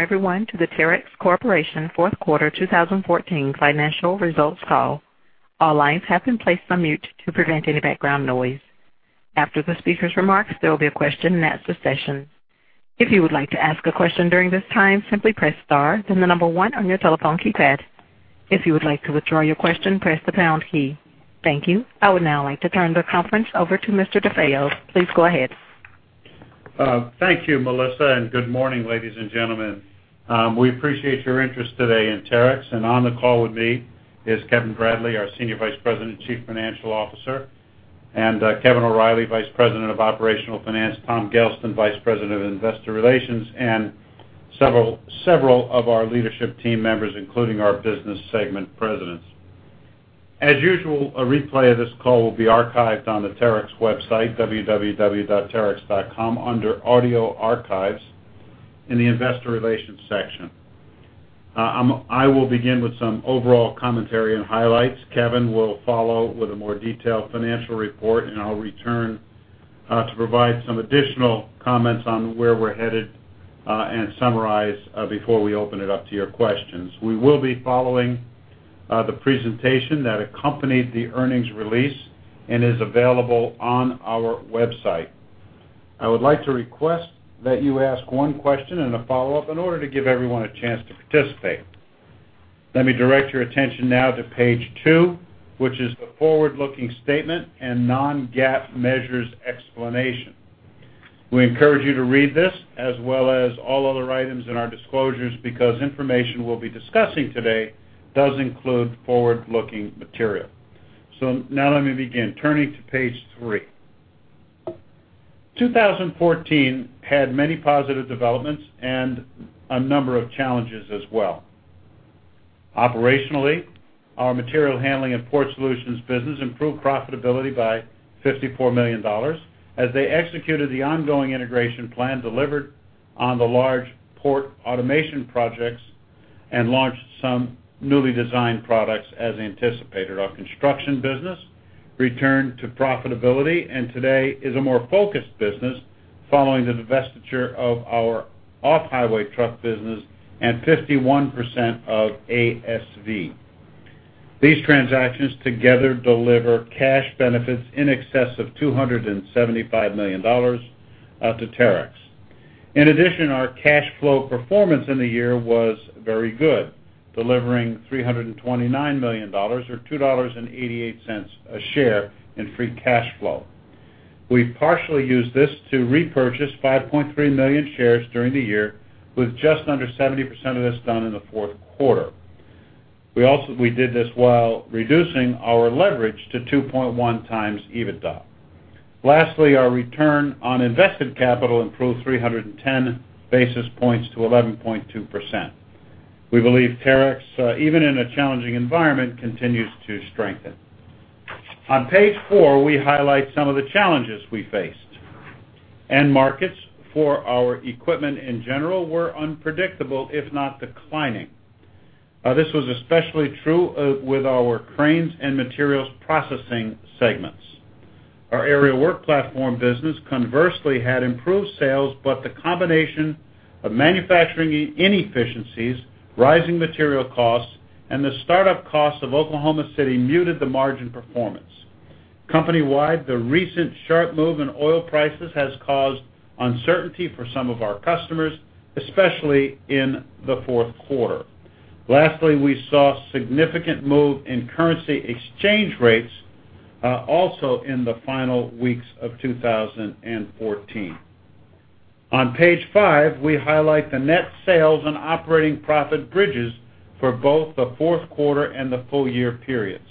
Everyone to the Terex Corporation fourth quarter 2014 financial results call. All lines have been placed on mute to prevent any background noise. After the speaker's remarks, there will be a question and answer session. If you would like to ask a question during this time, simply press star then the number one on your telephone keypad. If you would like to withdraw your question, press the pound key. Thank you. I would now like to turn the conference over to Mr. DeFeo. Please go ahead. Thank you, Melissa, good morning, ladies and gentlemen. We appreciate your interest today in Terex. On the call with me is Kevin Bradley, our Senior Vice President and Chief Financial Officer, and Kevin O'Reilly, Vice President of Operational Finance, Tom Gelston, Vice President of Investor Relations, and several of our leadership team members, including our business segment presidents. As usual, a replay of this call will be archived on the Terex website, www.terex.com, under Audio Archives in the investor relations section. I will begin with some overall commentary and highlights. Kevin will follow with a more detailed financial report, I'll return to provide some additional comments on where we're headed and summarize before we open it up to your questions. We will be following the presentation that accompanied the earnings release and is available on our website. I would like to request that you ask one question and a follow-up in order to give everyone a chance to participate. Let me direct your attention now to page two, which is the forward-looking statement and non-GAAP measures explanation. We encourage you to read this as well as all other items in our disclosures because information we'll be discussing today does include forward-looking material. Now let me begin. Turning to page three. 2014 had many positive developments and a number of challenges as well. Operationally, our Material Handling & Port Solutions business improved profitability by $54 million as they executed the ongoing integration plan delivered on the large port automation projects and launched some newly designed products as anticipated. Our construction business returned to profitability and today is a more focused business following the divestiture of our off-highway truck business and 51% of ASV. These transactions together deliver cash benefits in excess of $275 million to Terex. In addition, our cash flow performance in the year was very good, delivering $329 million or $2.88 a share in free cash flow. We've partially used this to repurchase 5.3 million shares during the year, with just under 70% of this done in the fourth quarter. We did this while reducing our leverage to 2.1 times EBITDA. Lastly, our return on invested capital improved 310 basis points to 11.2%. We believe Terex, even in a challenging environment, continues to strengthen. On page four, we highlight some of the challenges we faced. End markets for our equipment in general were unpredictable, if not declining. This was especially true with our cranes and materials processing segments. Our Aerial Work Platforms business conversely had improved sales, but the combination of manufacturing inefficiencies, rising material costs, and the startup costs of Oklahoma City muted the margin performance. Company-wide, the recent sharp move in oil prices has caused uncertainty for some of our customers, especially in the fourth quarter. Lastly, we saw significant move in currency exchange rates also in the final weeks of 2014. On page five, we highlight the net sales and operating profit bridges for both the fourth quarter and the full year periods.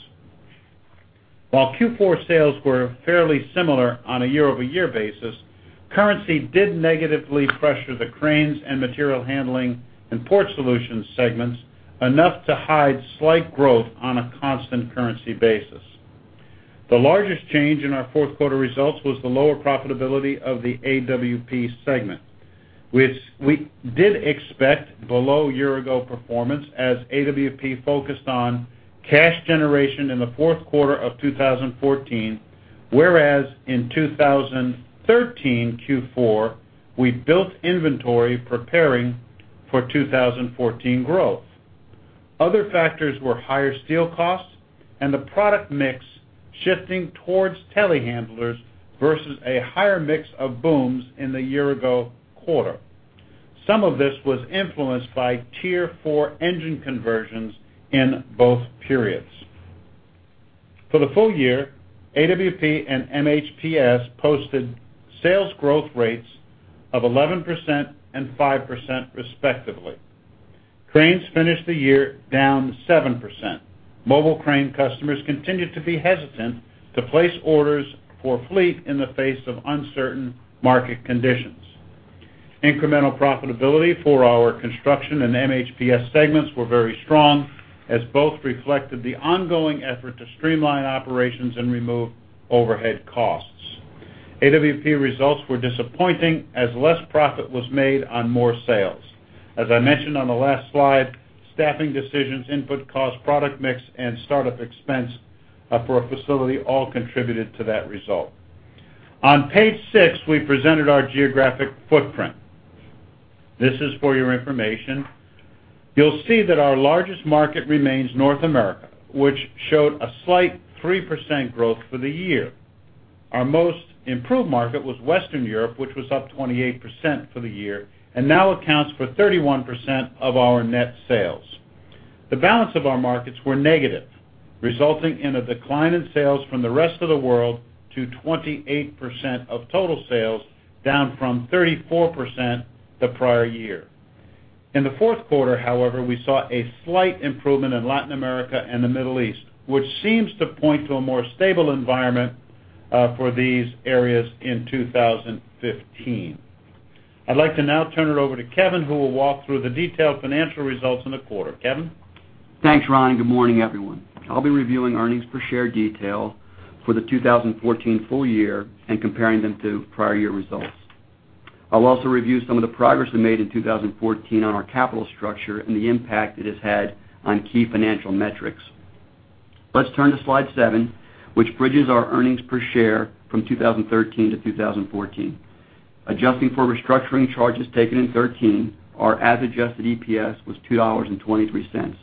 While Q4 sales were fairly similar on a year-over-year basis, currency did negatively pressure the Cranes and Material Handling & Port Solutions segments enough to hide slight growth on a constant currency basis. The largest change in our fourth quarter results was the lower profitability of the AWP segment. We did expect below year-ago performance as AWP focused on cash generation in the fourth quarter of 2014, whereas in 2013 Q4, we built inventory preparing for 2014 growth. Other factors were higher steel costs and the product mix shifting towards telehandlers versus a higher mix of booms in the year-ago quarter. Some of this was influenced by Tier 4 engine conversions in both periods. For the full year, AWP and MHPS posted sales growth rates of 11% and 5% respectively. Cranes finished the year down 7%. Mobile crane customers continued to be hesitant to place orders for fleet in the face of uncertain market conditions. Incremental profitability for our construction and MHPS segments were very strong, as both reflected the ongoing effort to streamline operations and remove overhead costs. AWP results were disappointing as less profit was made on more sales. As I mentioned on the last slide, staffing decisions, input cost, product mix, and startup expense for a facility all contributed to that result. On page six, we presented our geographic footprint. This is for your information. You'll see that our largest market remains North America, which showed a slight 3% growth for the year. Our most improved market was Western Europe, which was up 28% for the year, and now accounts for 31% of our net sales. The balance of our markets were negative, resulting in a decline in sales from the rest of the world to 28% of total sales, down from 34% the prior year. In the fourth quarter, however, we saw a slight improvement in Latin America and the Middle East, which seems to point to a more stable environment for these areas in 2015. I'd like to now turn it over to Kevin, who will walk through the detailed financial results in the quarter. Kevin? Thanks, Ron. Good morning, everyone. I will be reviewing earnings per share detail for the 2014 full year and comparing them to prior year results. I will also review some of the progress we made in 2014 on our capital structure and the impact it has had on key financial metrics. Let's turn to slide seven, which bridges our earnings per share from 2013 to 2014. Adjusting for restructuring charges taken in 2013, our as-adjusted EPS was $2.23.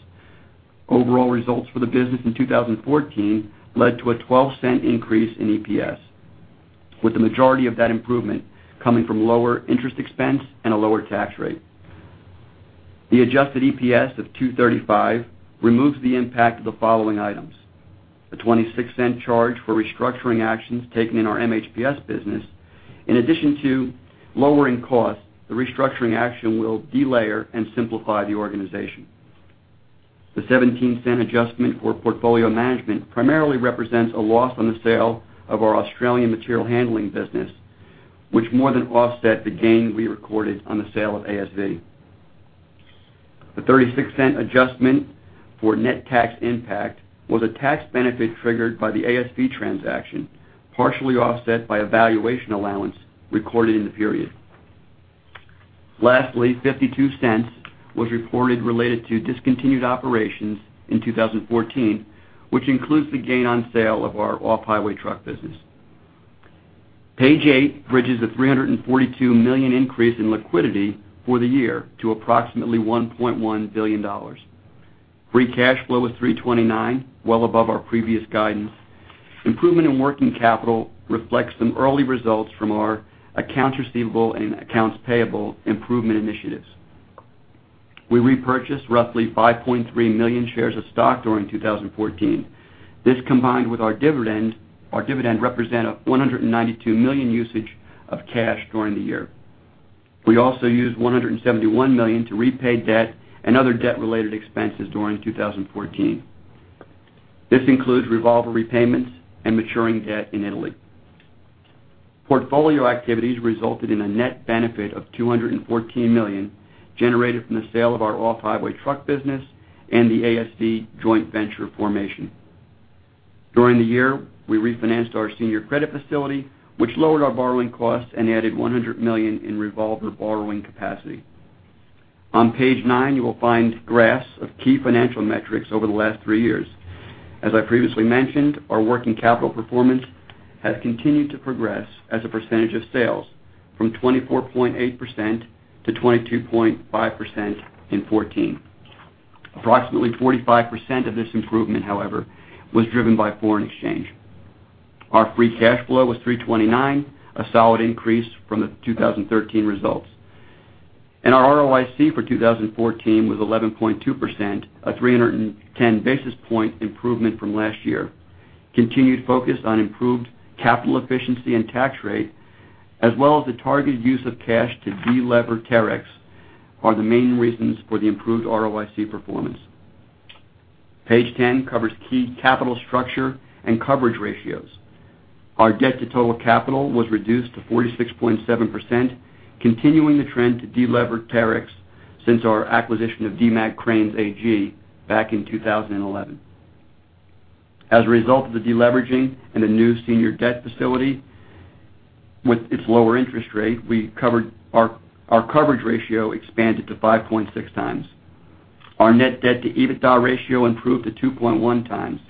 Overall results for the business in 2014 led to a $0.12 increase in EPS, with the majority of that improvement coming from lower interest expense and a lower tax rate. The adjusted EPS of $2.35 removes the impact of the following items: a $0.26 charge for restructuring actions taken in our MHPS business. In addition to lowering costs, the restructuring action will delayer and simplify the organization. The $0.17 adjustment for portfolio management primarily represents a loss on the sale of our Australian Material Handling business, which more than offset the gain we recorded on the sale of ASV. The $0.36 adjustment for net tax impact was a tax benefit triggered by the ASV transaction, partially offset by a valuation allowance recorded in the period. Lastly, $0.52 was reported related to discontinued operations in 2014, which includes the gain on sale of our Off-Highway Truck business. Page eight bridges the $342 million increase in liquidity for the year to approximately $1.1 billion. Free cash flow was $329 million, well above our previous guidance. Improvement in working capital reflects some early results from our accounts receivable and accounts payable improvement initiatives. We repurchased roughly 5.3 million shares of stock during 2014. This, combined with our dividend, represent a $192 million usage of cash during the year. We also used $171 million to repay debt and other debt-related expenses during 2014. This includes revolver repayments and maturing debt in Italy. Portfolio activities resulted in a net benefit of $214 million generated from the sale of our Off-Highway Truck business and the ASV joint venture formation. During the year, we refinanced our senior credit facility, which lowered our borrowing costs and added $100 million in revolver borrowing capacity. On page nine, you will find graphs of key financial metrics over the last three years. As I previously mentioned, our working capital performance has continued to progress as a percentage of sales from 24.8% to 22.5% in 2014. Approximately 45% of this improvement, however, was driven by foreign exchange. Our free cash flow was $329 million, a solid increase from the 2013 results. Our ROIC for 2014 was 11.2%, a 310 basis point improvement from last year. Continued focus on improved capital efficiency and tax rate, as well as the targeted use of cash to delever Terex are the main reasons for the improved ROIC performance. Page 10 covers key capital structure and coverage ratios. Our debt to total capital was reduced to 46.7%, continuing the trend to delever Terex since our acquisition of Demag Cranes AG back in 2011. As a result of the deleveraging and the new senior debt facility with its lower interest rate, our coverage ratio expanded to 5.6 times. Our net debt to EBITDA ratio improved to 2.1 times.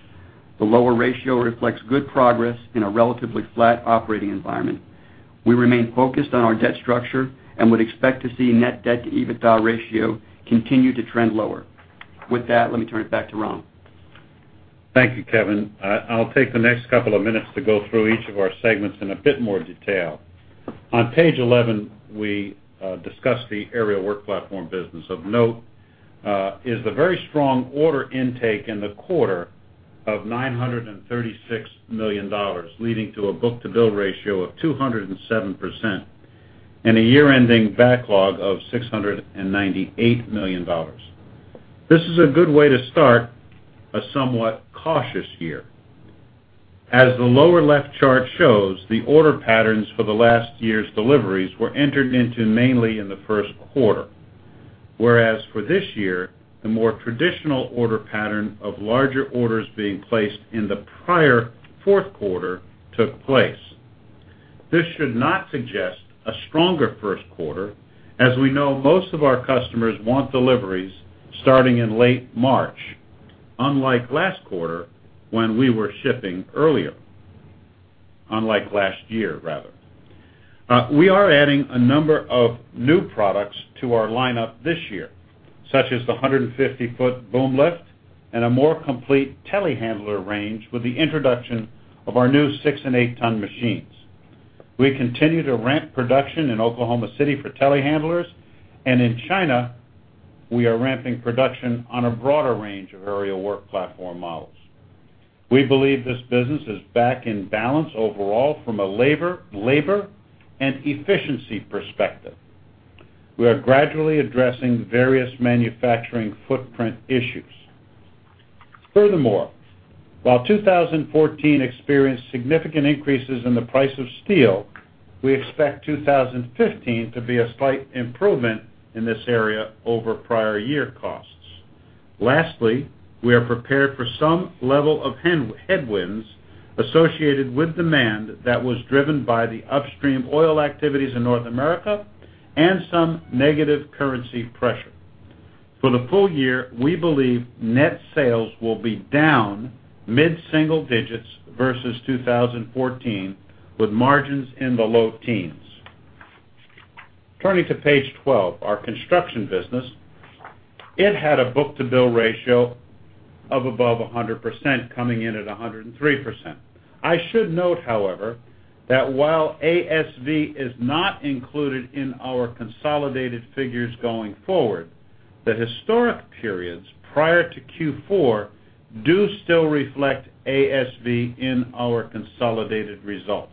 The lower ratio reflects good progress in a relatively flat operating environment. We remain focused on our debt structure and would expect to see net debt to EBITDA ratio continue to trend lower. With that, let me turn it back to Ron. Thank you, Kevin. I'll take the next couple of minutes to go through each of our segments in a bit more detail. On page 11, we discuss the Aerial Work Platform business. Of note is the very strong order intake in the quarter of $936 million, leading to a book-to-bill ratio of 207% and a year-ending backlog of $698 million. This is a good way to start a somewhat cautious year. As the lower-left chart shows, the order patterns for the last year's deliveries were entered into mainly in the first quarter. Whereas for this year, the more traditional order pattern of larger orders being placed in the prior fourth quarter took place. This should not suggest a stronger first quarter. As we know, most of our customers want deliveries starting in late March. Unlike last quarter, when we were shipping earlier. Unlike last year, rather. We are adding a number of new products to our lineup this year, such as the 150-foot boom lift and a more complete telehandler range with the introduction of our new six and eight-ton machines. We continue to ramp production in Oklahoma City for telehandlers, and in China, we are ramping production on a broader range of Aerial Work Platform models. We believe this business is back in balance overall from a labor and efficiency perspective. We are gradually addressing various manufacturing footprint issues. Furthermore, while 2014 experienced significant increases in the price of steel, we expect 2015 to be a slight improvement in this area over prior year costs. Lastly, we are prepared for some level of headwinds associated with demand that was driven by the upstream oil activities in North America and some negative currency pressure. For the full year, we believe net sales will be down mid-single digits versus 2014, with margins in the low teens. Turning to page 12, our construction business. It had a book-to-bill ratio of above 100%, coming in at 103%. I should note, however, that while ASV is not included in our consolidated figures going forward, the historic periods prior to Q4 do still reflect ASV in our consolidated results.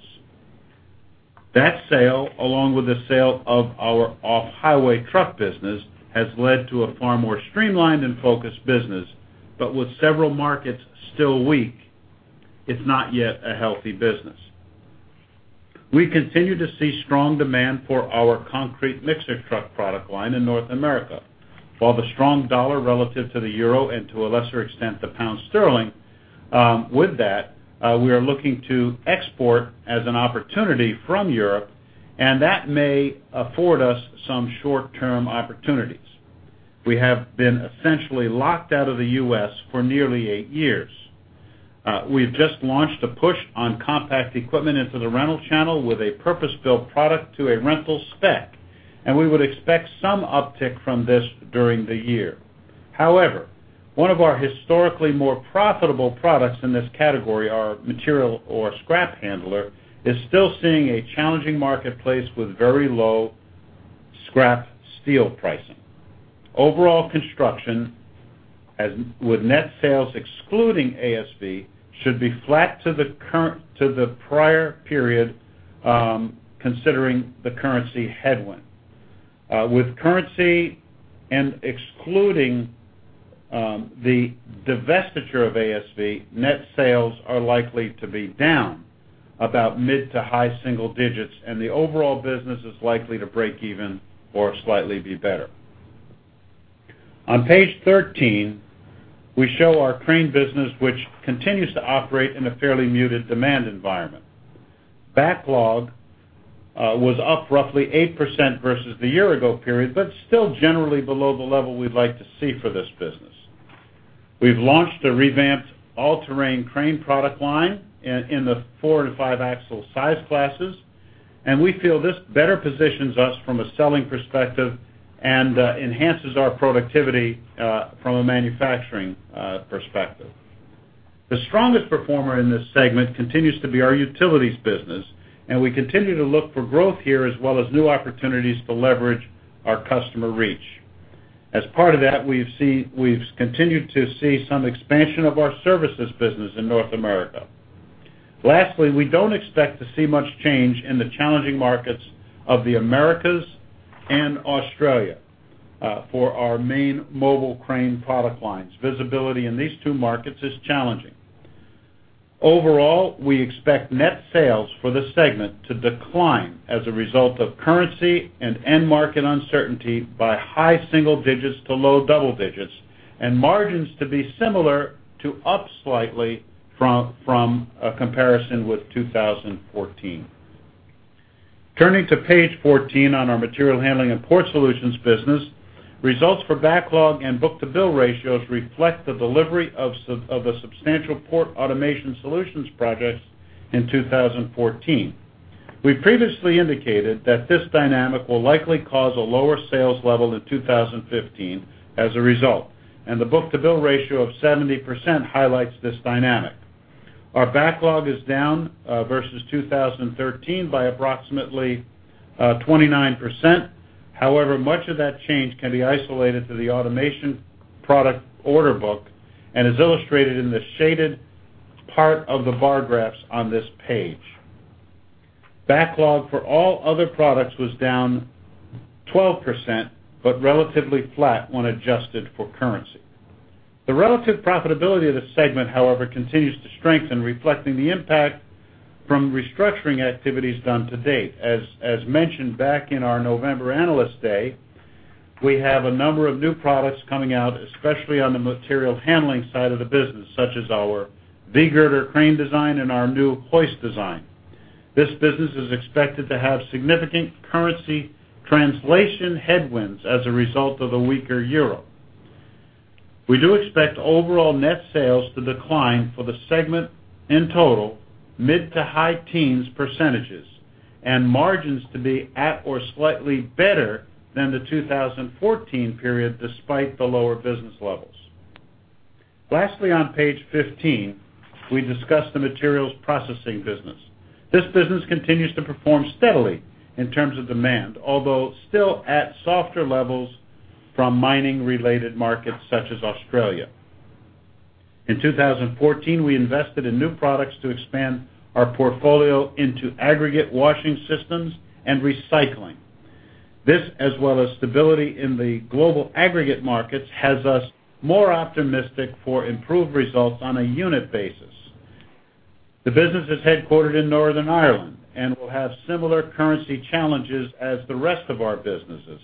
That sale, along with the sale of our off-highway truck business, has led to a far more streamlined and focused business, but with several markets still weak, it's not yet a healthy business. We continue to see strong demand for our concrete mixer truck product line in North America, while the strong dollar relative to the euro, and to a lesser extent, the pound sterling. With that, we are looking to export as an opportunity from Europe, and that may afford us some short-term opportunities. We have been essentially locked out of the U.S. for nearly eight years. We've just launched a push on compact equipment into the rental channel with a purpose-built product to a rental spec, and we would expect some uptick from this during the year. However, one of our historically more profitable products in this category, our material or scrap handler, is still seeing a challenging marketplace with very low scrap steel pricing. Overall construction, with net sales excluding ASV, should be flat to the prior period, considering the currency headwind. With currency and excluding the divestiture of ASV, net sales are likely to be down about mid to high single digits, and the overall business is likely to break even or slightly be better. On page 13, we show our crane business, which continues to operate in a fairly muted demand environment. Backlog was up roughly 8% versus the year-ago period, but still generally below the level we'd like to see for this business. We've launched a revamped all-terrain crane product line in the 4- to 5-axle size classes, and we feel this better positions us from a selling perspective and enhances our productivity from a manufacturing perspective. The strongest performer in this segment continues to be our utilities business, and we continue to look for growth here, as well as new opportunities to leverage our customer reach. As part of that, we've continued to see some expansion of our services business in North America. Lastly, we don't expect to see much change in the challenging markets of the Americas and Australia for our main mobile crane product lines. Visibility in these two markets is challenging. Overall, we expect net sales for the segment to decline as a result of currency and end market uncertainty by high single digits to low double digits, and margins to be similar to up slightly from a comparison with 2014. Turning to page 14 on our Material Handling & Port Solutions business. Results for backlog and book-to-bill ratios reflect the delivery of a substantial port automation solutions project in 2014. We previously indicated that this dynamic will likely cause a lower sales level in 2015 as a result, and the book-to-bill ratio of 70% highlights this dynamic. Our backlog is down versus 2013 by approximately 29%. Much of that change can be isolated to the automation product order book and is illustrated in the shaded part of the bar graphs on this page. Backlog for all other products was down 12%, but relatively flat when adjusted for currency. The relative profitability of the segment, however, continues to strengthen, reflecting the impact from restructuring activities done to date. As mentioned back in our November Analyst Day, we have a number of new products coming out, especially on the material handling side of the business, such as our V-girder crane design and our new hoist design. This business is expected to have significant currency translation headwinds as a result of the weaker EUR. We do expect overall net sales to decline for the segment in total mid to high teens percentages, and margins to be at or slightly better than the 2014 period, despite the lower business levels. Lastly, on page 15, we discussed the materials processing business. This business continues to perform steadily in terms of demand, although still at softer levels from mining-related markets such as Australia. In 2014, we invested in new products to expand our portfolio into aggregate washing systems and recycling. This, as well as stability in the global aggregate markets, has us more optimistic for improved results on a unit basis. The business is headquartered in Northern Ireland and will have similar currency challenges as the rest of our businesses.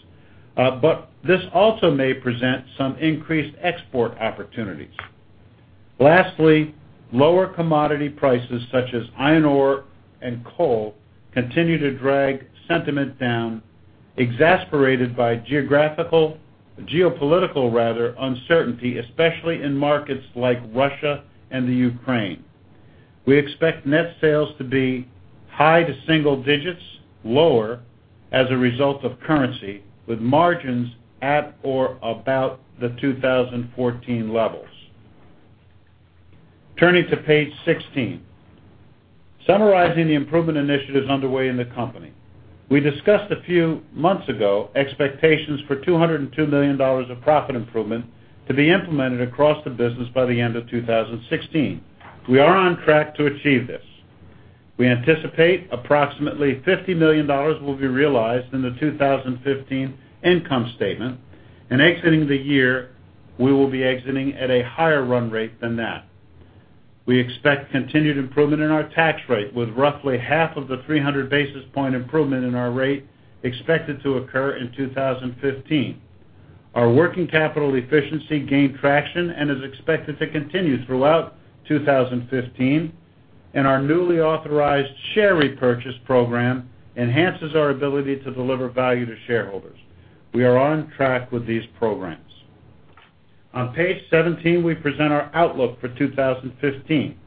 This also may present some increased export opportunities. Lastly, lower commodity prices such as iron ore and coal continue to drag sentiment down, exacerbated by geopolitical uncertainty, especially in markets like Russia and Ukraine. We expect net sales to be high single digits, lower as a result of currency, with margins at or about the 2014 levels. Turning to page 16. Summarizing the improvement initiatives underway in the company. We discussed a few months ago expectations for $202 million of profit improvement to be implemented across the business by the end of 2016. We are on track to achieve this. We anticipate approximately $50 million will be realized in the 2015 income statement, and exiting the year, we will be exiting at a higher run rate than that. We expect continued improvement in our tax rate, with roughly half of the 300 basis point improvement in our rate expected to occur in 2015. Our working capital efficiency gained traction and is expected to continue throughout 2015, and our newly authorized share repurchase program enhances our ability to deliver value to shareholders. We are on track with these programs. On page 17, we present our outlook for 2015.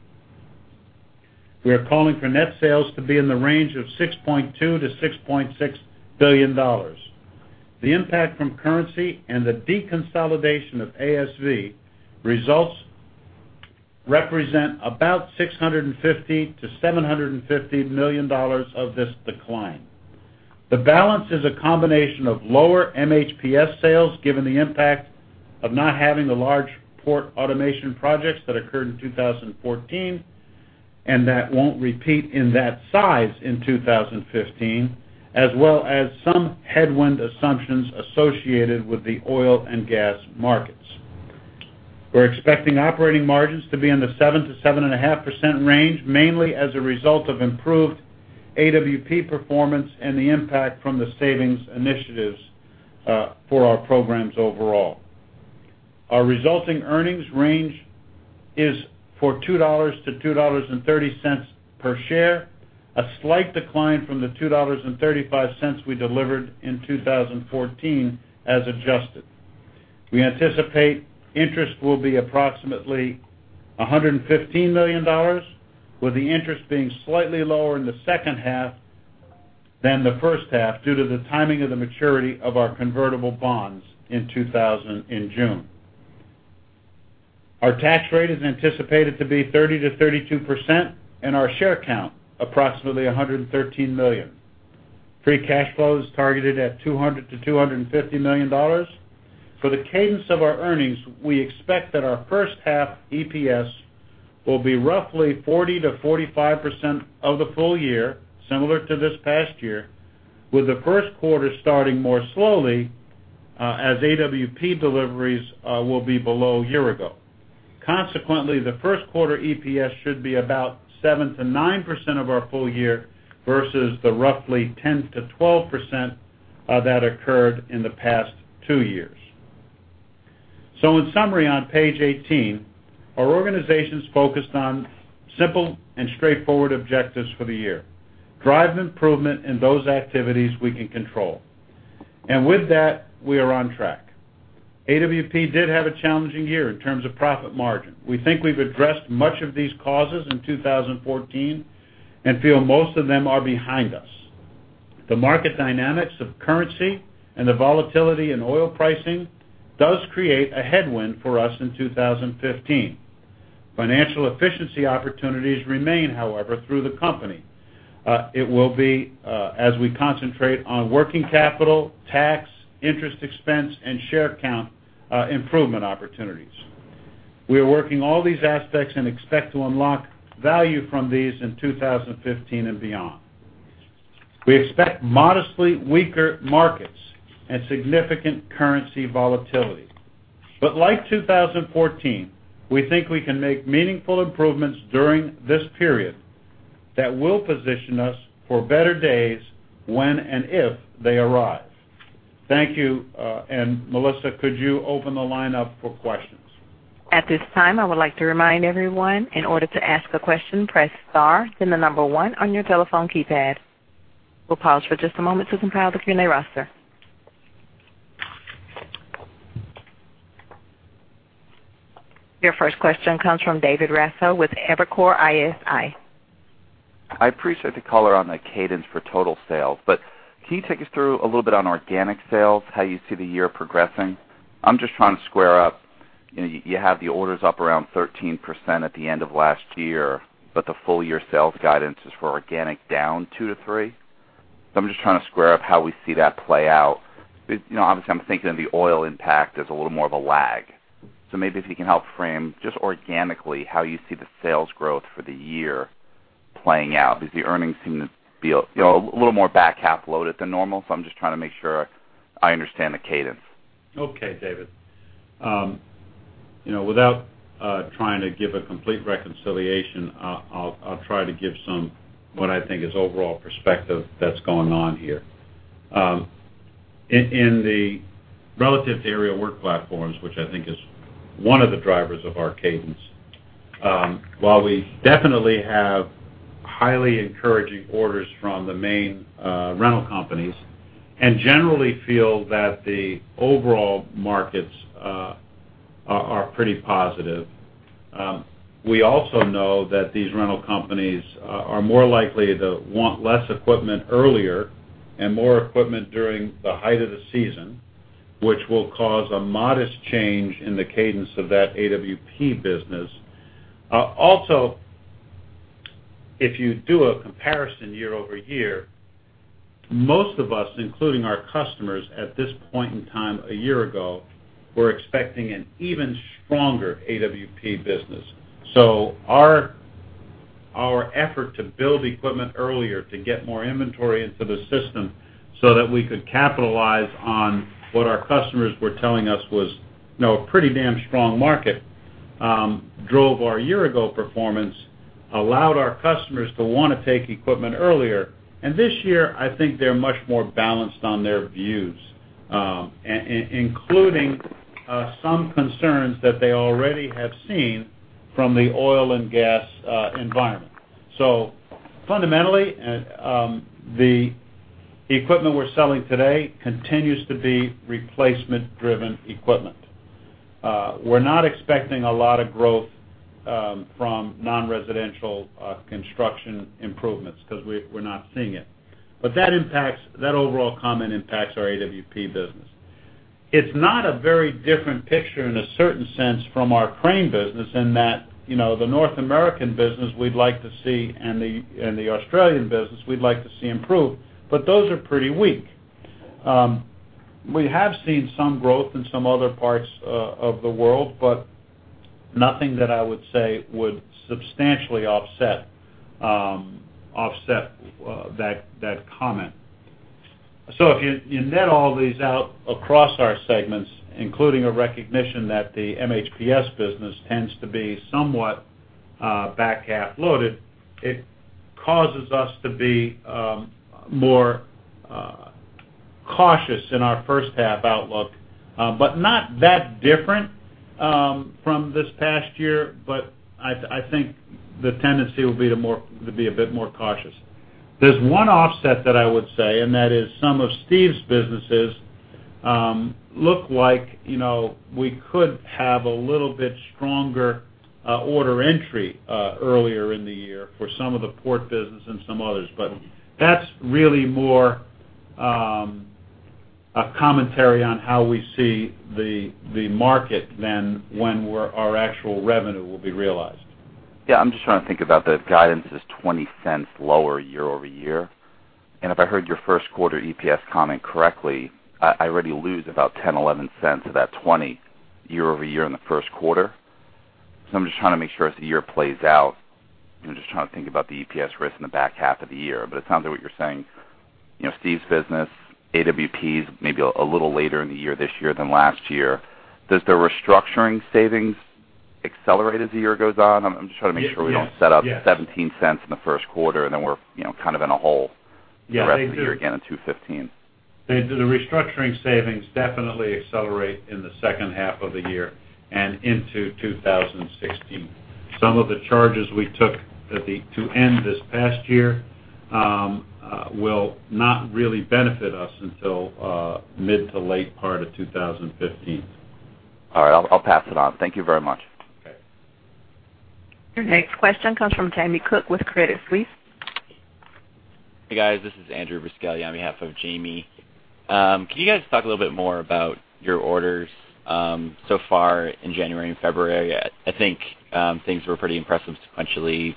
We are calling for net sales to be in the range of $6.2 billion-$6.6 billion. The impact from currency and the deconsolidation of ASV results represent about $650 million-$750 million of this decline. The balance is a combination of lower MHPS sales, given the impact of not having the large port automation projects that occurred in 2014, and that won't repeat in that size in 2015, as well as some headwind assumptions associated with the oil and gas markets. We're expecting operating margins to be in the 7%-7.5% range, mainly as a result of improved AWP performance and the impact from the savings initiatives for our programs overall. Our resulting earnings range is for $2-$2.30 per share, a slight decline from the $2.35 we delivered in 2014 as adjusted. We anticipate interest will be approximately $115 million, with the interest being slightly lower in the second half than the first half due to the timing of the maturity of our convertible bonds in June 2015. Our tax rate is anticipated to be 30%-32%, and our share count approximately 113 million. Free cash flow is targeted at $200 million-$250 million. For the cadence of our earnings, we expect that our first half EPS will be roughly 40%-45% of the full year, similar to this past year, with the first quarter starting more slowly, as AWP deliveries will be below year ago. Consequently, the first quarter EPS should be about 7%-9% of our full year versus the roughly 10%-12% that occurred in the past two years. In summary, on page 18, our organization's focused on simple and straightforward objectives for the year: Drive improvement in those activities we can control. With that, we are on track. AWP did have a challenging year in terms of profit margin. We think we've addressed much of these causes in 2014 and feel most of them are behind us. The market dynamics of currency and the volatility in oil pricing does create a headwind for us in 2015. Financial efficiency opportunities remain, however, through the company. It will be as we concentrate on working capital, tax, interest expense, and share count improvement opportunities. We are working all these aspects and expect to unlock value from these in 2015 and beyond. We expect modestly weaker markets and significant currency volatility. Like 2014, we think we can make meaningful improvements during this period that will position us for better days when and if they arrive. Thank you, and Melissa, could you open the line up for questions? At this time, I would like to remind everyone, in order to ask a question, press star then the number 1 on your telephone keypad. We'll pause for just a moment to compile the Q&A roster. Your first question comes from David Raso with Evercore ISI. I appreciate the color on the cadence for total sales, can you take us through a little bit on organic sales, how you see the year progressing? I'm just trying to square up. You have the orders up around 13% at the end of last year, the full-year sales guidance is for organic down 2%-3%. I'm just trying to square up how we see that play out. Obviously, I'm thinking of the oil impact as a little more of a lag. Maybe if you can help frame just organically how you see the sales growth for the year playing out because the earnings seem to be a little more back-half-loaded than normal. I'm just trying to make sure I understand the cadence. Okay, David. Without trying to give a complete reconciliation, I'll try to give what I think is overall perspective that's going on here. Relative to Aerial Work Platforms, which I think is one of the drivers of our cadence, while we definitely have highly encouraging orders from the main rental companies and generally feel that the overall markets are pretty positive, we also know that these rental companies are more likely to want less equipment earlier and more equipment during the height of the season, which will cause a modest change in the cadence of that AWP business. Also, if you do a comparison year-over-year, most of us, including our customers at this point in time a year ago, were expecting an even stronger AWP business. Our effort to build equipment earlier to get more inventory into the system so that we could capitalize on what our customers were telling us was a pretty damn strong market, drove our year-ago performance, allowed our customers to want to take equipment earlier. This year, I think they're much more balanced on their views, including some concerns that they already have seen from the oil and gas environment. Fundamentally, the equipment we're selling today continues to be replacement-driven equipment. We're not expecting a lot of growth from non-residential construction improvements because we're not seeing it. That overall comment impacts our AWP business. It's not a very different picture in a certain sense from our crane business in that the North American business we'd like to see and the Australian business we'd like to see improve, but those are pretty weak. We have seen some growth in some other parts of the world, nothing that I would say would substantially offset that comment. If you net all these out across our segments, including a recognition that the MHPS business tends to be somewhat back-half loaded, it causes us to be more cautious in our first half outlook. Not that different from this past year, I think the tendency will be to be a bit more cautious. There's one offset that I would say, that is some of Steve's businesses look like we could have a little bit stronger order entry earlier in the year for some of the port business and some others. That's really more a commentary on how we see the market than when our actual revenue will be realized. I'm just trying to think about the guidance is $0.20 lower year-over-year. If I heard your first quarter EPS comment correctly, I already lose about $0.10, $0.11 of that $0.20 year-over-year in the first quarter. I'm just trying to make sure as the year plays out, I'm just trying to think about the EPS risk in the back half of the year. It sounds like what you're saying, Steve's business, AWPs may be a little later in the year this year than last year. Does the restructuring savings accelerate as the year goes on? I'm just trying to make sure we don't set up- Yes $0.17 in the first quarter, then we're kind of in a hole- Yeah. for the rest of the year again in 2015. They do. The restructuring savings definitely accelerate in the second half of the year and into 2016. Some of the charges we took to end this past year will not really benefit us until mid to late part of 2015. All right. I'll pass it on. Thank you very much. Okay. Your next question comes from Jamie Cook with Credit Suisse. Hey, guys. This is Andrew Buscaglia on behalf of Jamie. Can you guys talk a little bit more about your orders so far in January and February? I think things were pretty impressive sequentially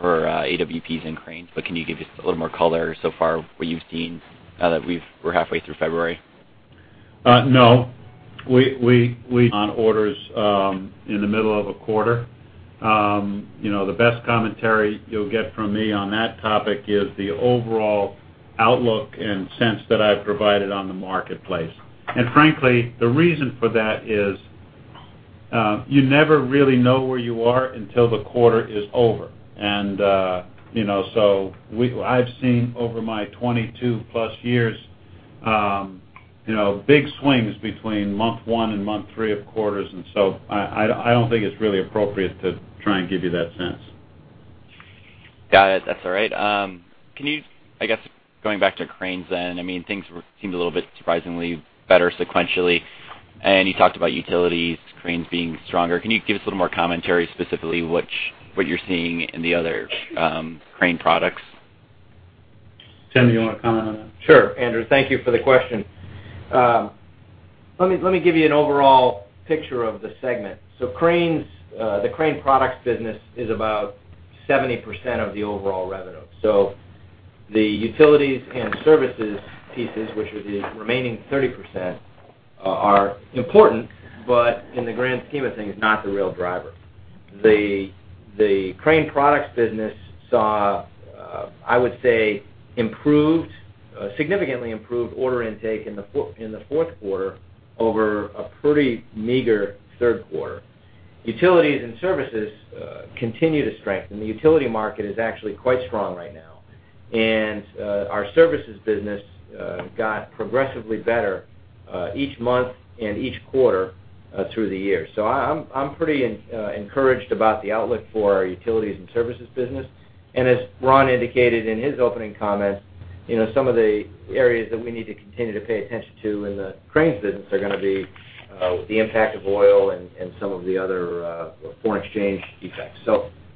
for AWPs and cranes, but can you give just a little more color so far what you've seen now that we're halfway through February? No. We don't comment on orders in the middle of a quarter. The best commentary you'll get from me on that topic is the overall outlook and sense that I've provided on the marketplace. Frankly, the reason for that is you never really know where you are until the quarter is over. I've seen over my 22 plus years big swings between month one and month three of quarters. I don't think it's really appropriate to try and give you that sense. Got it. That's all right. I guess, going back to cranes then, things seemed a little bit surprisingly better sequentially. You talked about utilities, cranes being stronger. Can you give us a little more commentary, specifically what you're seeing in the other crane products? Tim, do you want to comment on that? Sure. Andrew, thank you for the question. Let me give you an overall picture of the segment. The crane products business is about 70% of the overall revenue. The utilities and services pieces, which are the remaining 30%, are important, but in the grand scheme of things, not the real driver. The crane products business saw, I would say, significantly improved order intake in the fourth quarter over a pretty meager third quarter. Utilities and services continue to strengthen. The utility market is actually quite strong right now, and our services business got progressively better each month and each quarter through the year. I'm pretty encouraged about the outlook for our utilities and services business. As Ron indicated in his opening comments, some of the areas that we need to continue to pay attention to in the cranes business are going to be the impact of oil and some of the other foreign exchange effects.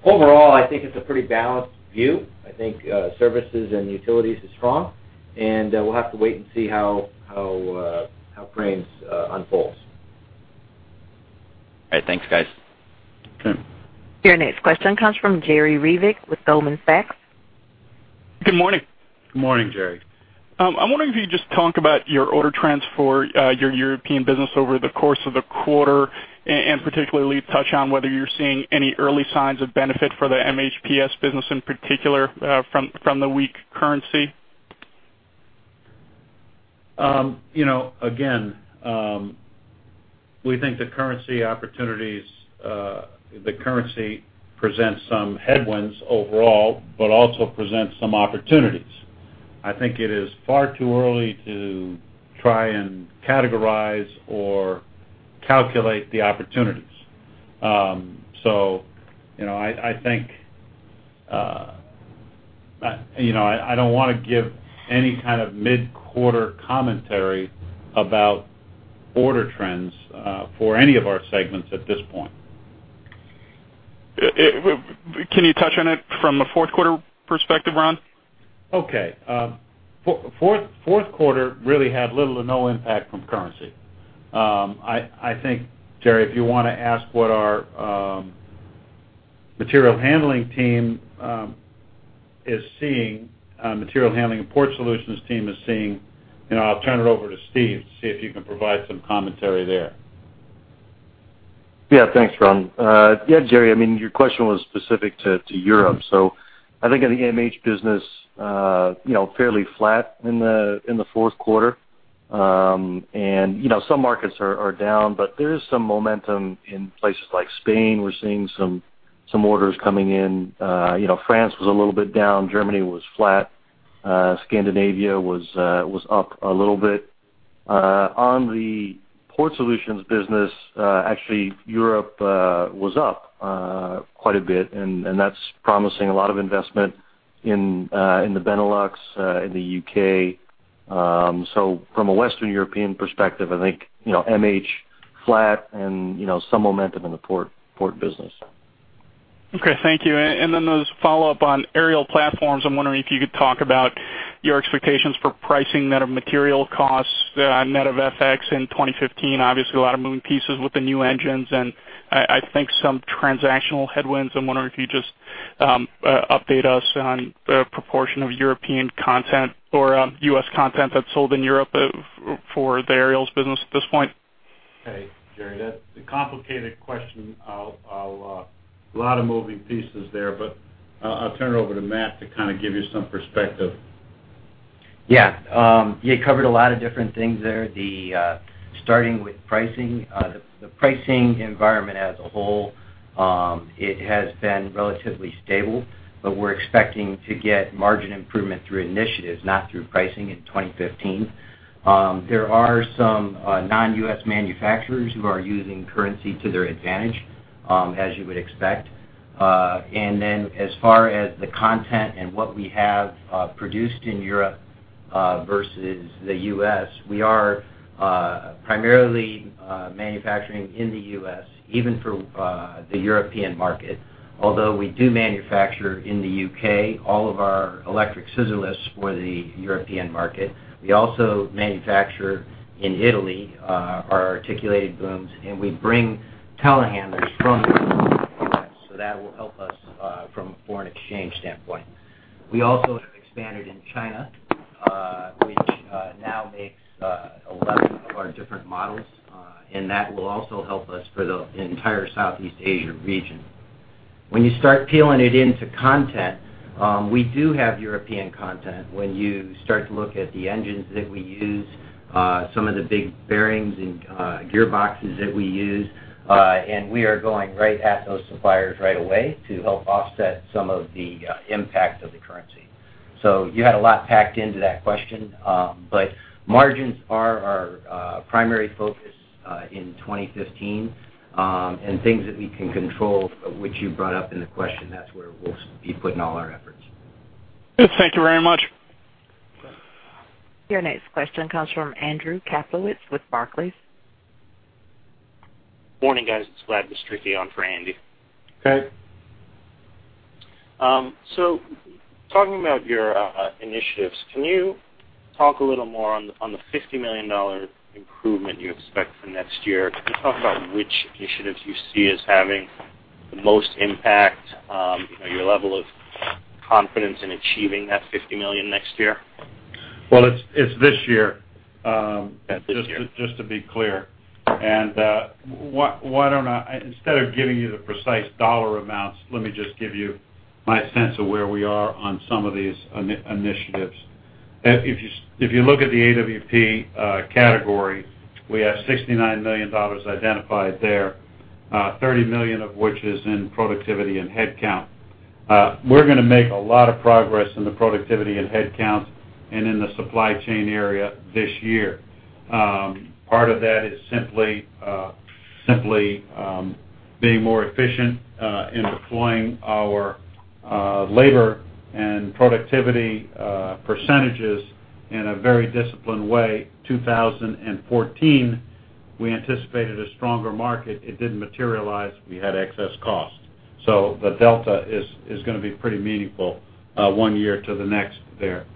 Overall, I think it's a pretty balanced view. I think services and utilities is strong, and we'll have to wait and see how cranes unfolds. All right. Thanks, guys. Sure. Your next question comes from Jerry Revich with Goldman Sachs. Good morning. Good morning, Jerry. I'm wondering if you could just talk about your order trends for your European business over the course of the quarter, and particularly touch on whether you're seeing any early signs of benefit for the MHPS business, in particular, from the weak currency. We think the currency presents some headwinds overall, but also presents some opportunities. I think it is far too early to try and categorize or calculate the opportunities. I don't want to give any kind of mid-quarter commentary about order trends for any of our segments at this point. Can you touch on it from a fourth quarter perspective, Ron? Okay. Fourth quarter really had little to no impact from currency. I think, Jerry, if you want to ask what our Material Handling team is seeing, Material Handling and Port Solutions team is seeing, I'll turn it over to Steve to see if you can provide some commentary there. Yeah, thanks, Ron. Yeah, Jerry, your question was specific to Europe. I think in the MH business, fairly flat in the fourth quarter. Some markets are down, but there is some momentum in places like Spain. We're seeing some orders coming in. France was a little bit down. Germany was flat. Scandinavia was up a little bit. On the Port Solutions business, actually, Europe was up quite a bit, and that's promising a lot of investment in the Benelux, in the U.K. From a Western European perspective, I think MH flat and some momentum in the Port business. Okay, thank you. As follow-up on Aerial Work Platforms, I'm wondering if you could talk about your expectations for pricing net of material costs, net of FX in 2015. Obviously, a lot of moving pieces with the new engines, I think some transactional headwinds. I'm wondering if you just update us on the proportion of European content or U.S. content that's sold in Europe for the Aerial Work Platforms business at this point. Okay, Jerry, that's a complicated question. A lot of moving pieces there, I'll turn it over to Matt to kind of give you some perspective. Yeah. You covered a lot of different things there. Starting with pricing. The pricing environment as a whole, it has been relatively stable, we're expecting to get margin improvement through initiatives, not through pricing in 2015. There are some non-U.S. manufacturers who are using currency to their advantage, as you would expect. As far as the content and what we have produced in Europe versus the U.S., we are primarily manufacturing in the U.S. even for the European market, although we do manufacture in the U.K. all of our electric scissor lifts for the European market. We also manufacture in Italy our articulated booms, we bring telehandlers from the U.S. That will help us from a foreign exchange standpoint. We also have expanded in China, which now makes 11 of our different models, that will also help us for the entire Southeast Asia region. When you start peeling it into content, we do have European content. When you start to look at the engines that we use Some of the big bearings and gearboxes that we use. We are going right at those suppliers right away to help offset some of the impact of the currency. You had a lot packed into that question. Margins are our primary focus in 2015, and things that we can control, which you brought up in the question, that's where we'll be putting all our efforts. Good. Thank you very much. Your next question comes from Andrew Kaplowitz with Barclays. Morning, guys. It's Vlad Mistreanu on for Andy. Okay. Talking about your initiatives, can you talk a little more on the $50 million improvement you expect for next year? Can you talk about which initiatives you see as having the most impact, your level of confidence in achieving that $50 million next year? Well, it's this year. Yes, this year. Just to be clear. Why don't I, instead of giving you the precise dollar amounts, let me just give you my sense of where we are on some of these initiatives. If you look at the AWP category, we have $69 million identified there, $30 million of which is in productivity and headcount. We're going to make a lot of progress in the productivity and headcounts and in the supply chain area this year. Part of that is simply being more efficient in deploying our labor and productivity percentages in a very disciplined way. 2014, we anticipated a stronger market. It didn't materialize. We had excess cost. The delta is going to be pretty meaningful one year to the next there.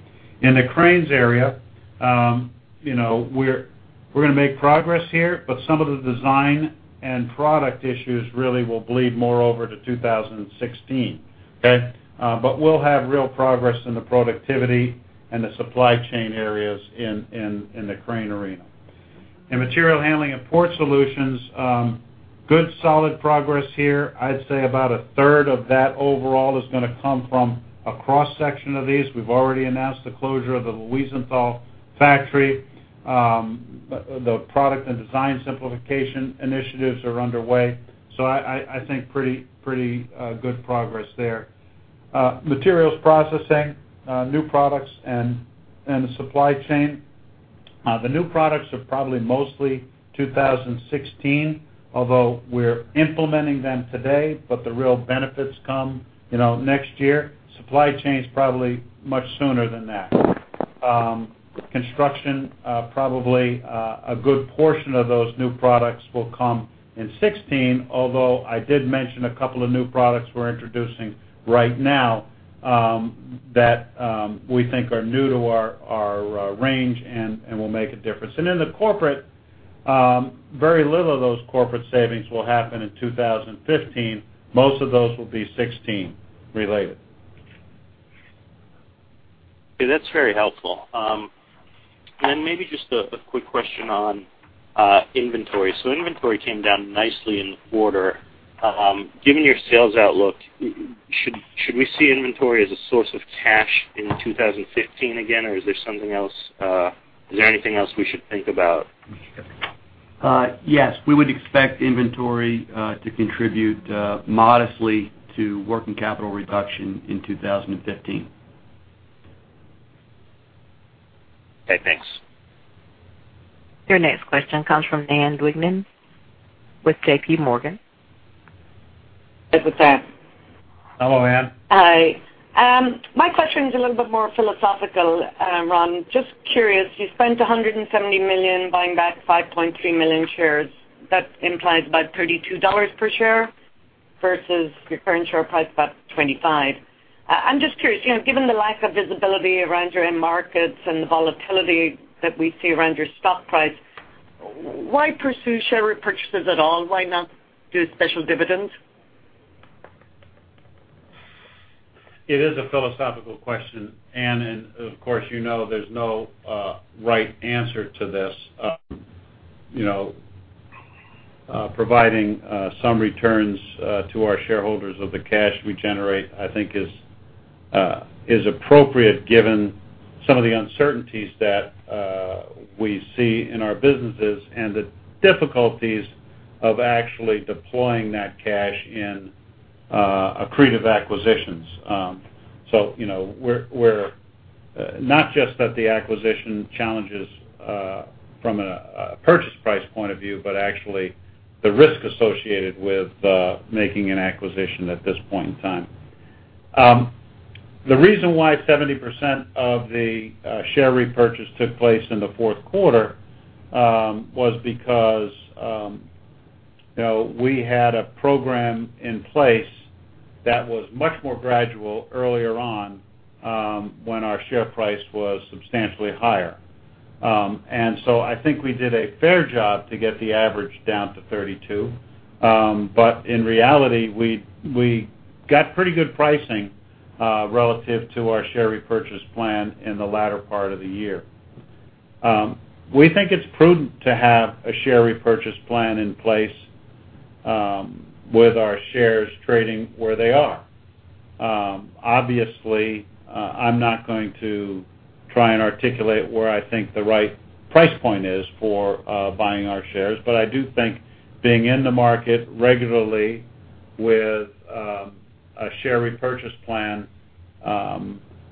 In the cranes area, we're going to make progress here, but some of the design and product issues really will bleed more over to 2016. Okay? We'll have real progress in the productivity and the supply chain areas in the crane arena. In Material Handling & Port Solutions, good solid progress here. I'd say about a third of that overall is going to come from a cross-section of these. We've already announced the closure of the Luisenthal factory. The product and design simplification initiatives are underway. I think pretty good progress there. Materials Processing, new products, and the supply chain. The new products are probably mostly 2016, although we're implementing them today, but the real benefits come next year. Supply chain's probably much sooner than that. Construction, probably a good portion of those new products will come in 2016, although I did mention a couple of new products we're introducing right now, that we think are new to our range and will make a difference. The corporate, very little of those corporate savings will happen in 2015. Most of those will be 2016 related. Okay, that's very helpful. Maybe just a quick question on inventory. Inventory came down nicely in the quarter. Given your sales outlook, should we see inventory as a source of cash in 2015 again, or is there anything else we should think about? Yes. We would expect inventory to contribute modestly to working capital reduction in 2015. Okay, thanks. Your next question comes from Ann Duignan with J.P. Morgan. It's Ann. Hello, Ann. Hi. My question is a little bit more philosophical, Ron. Just curious, you spent $170 million buying back 5.3 million shares. That implies about $32 per share versus your current share price, about $25. I'm just curious, given the lack of visibility around your end markets and the volatility that we see around your stock price, why pursue share repurchases at all? Why not do a special dividend? It is a philosophical question, Ann. Of course you know there's no right answer to this. Providing some returns to our shareholders of the cash we generate, I think is appropriate given some of the uncertainties that we see in our businesses and the difficulties of actually deploying that cash in accretive acquisitions. We're not just at the acquisition challenges from a purchase price point of view, but actually the risk associated with making an acquisition at this point in time. The reason why 70% of the share repurchase took place in the fourth quarter, was because we had a program in place that was much more gradual earlier on, when our share price was substantially higher. I think we did a fair job to get the average down to $32. In reality, we got pretty good pricing, relative to our share repurchase plan in the latter part of the year. We think it's prudent to have a share repurchase plan in place with our shares trading where they are. Obviously, I'm not going to try and articulate where I think the right price point is for buying our shares. I do think being in the market regularly with a share repurchase plan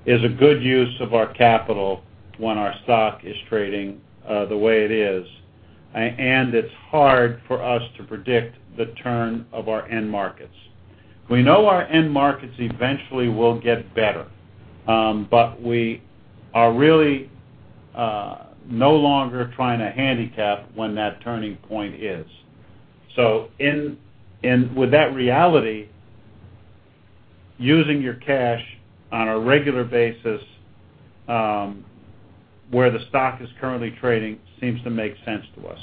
is a good use of our capital when our stock is trading the way it is. It's hard for us to predict the turn of our end markets. We know our end markets eventually will get better, but we are really no longer trying to handicap when that turning point is. With that reality, using your cash on a regular basis where the stock is currently trading seems to make sense to us.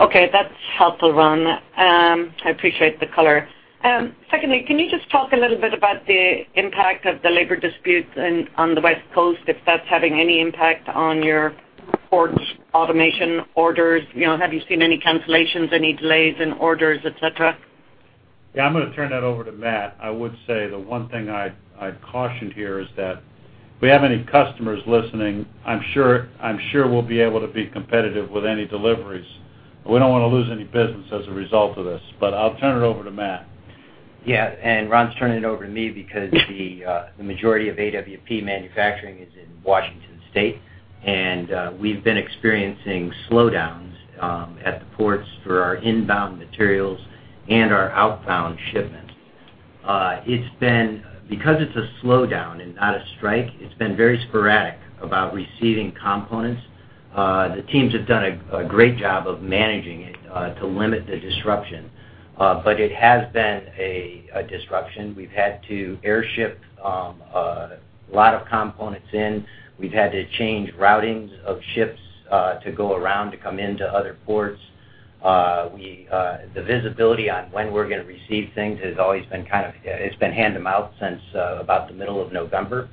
Okay, that's helpful, Ron. I appreciate the color. Secondly, can you just talk a little bit about the impact of the labor dispute on the West Coast, if that's having any impact on your ports automation orders? Have you seen any cancellations, any delays in orders, et cetera? I'm going to turn that over to Matt. I would say the one thing I'd caution here is that if we have any customers listening, I'm sure we'll be able to be competitive with any deliveries. We don't want to lose any business as a result of this. I'll turn it over to Matt. Ron's turning it over to me because the majority of AWP manufacturing is in Washington State, and we've been experiencing slowdowns at the ports for our inbound materials and our outbound shipments. Because it's a slowdown and not a strike, it's been very sporadic about receiving components. The teams have done a great job of managing it to limit the disruption. It has been a disruption. We've had to airship a lot of components in. We've had to change routings of ships to go around to come in to other ports. The visibility on when we're going to receive things, it's been hand to mouth since about the middle of November.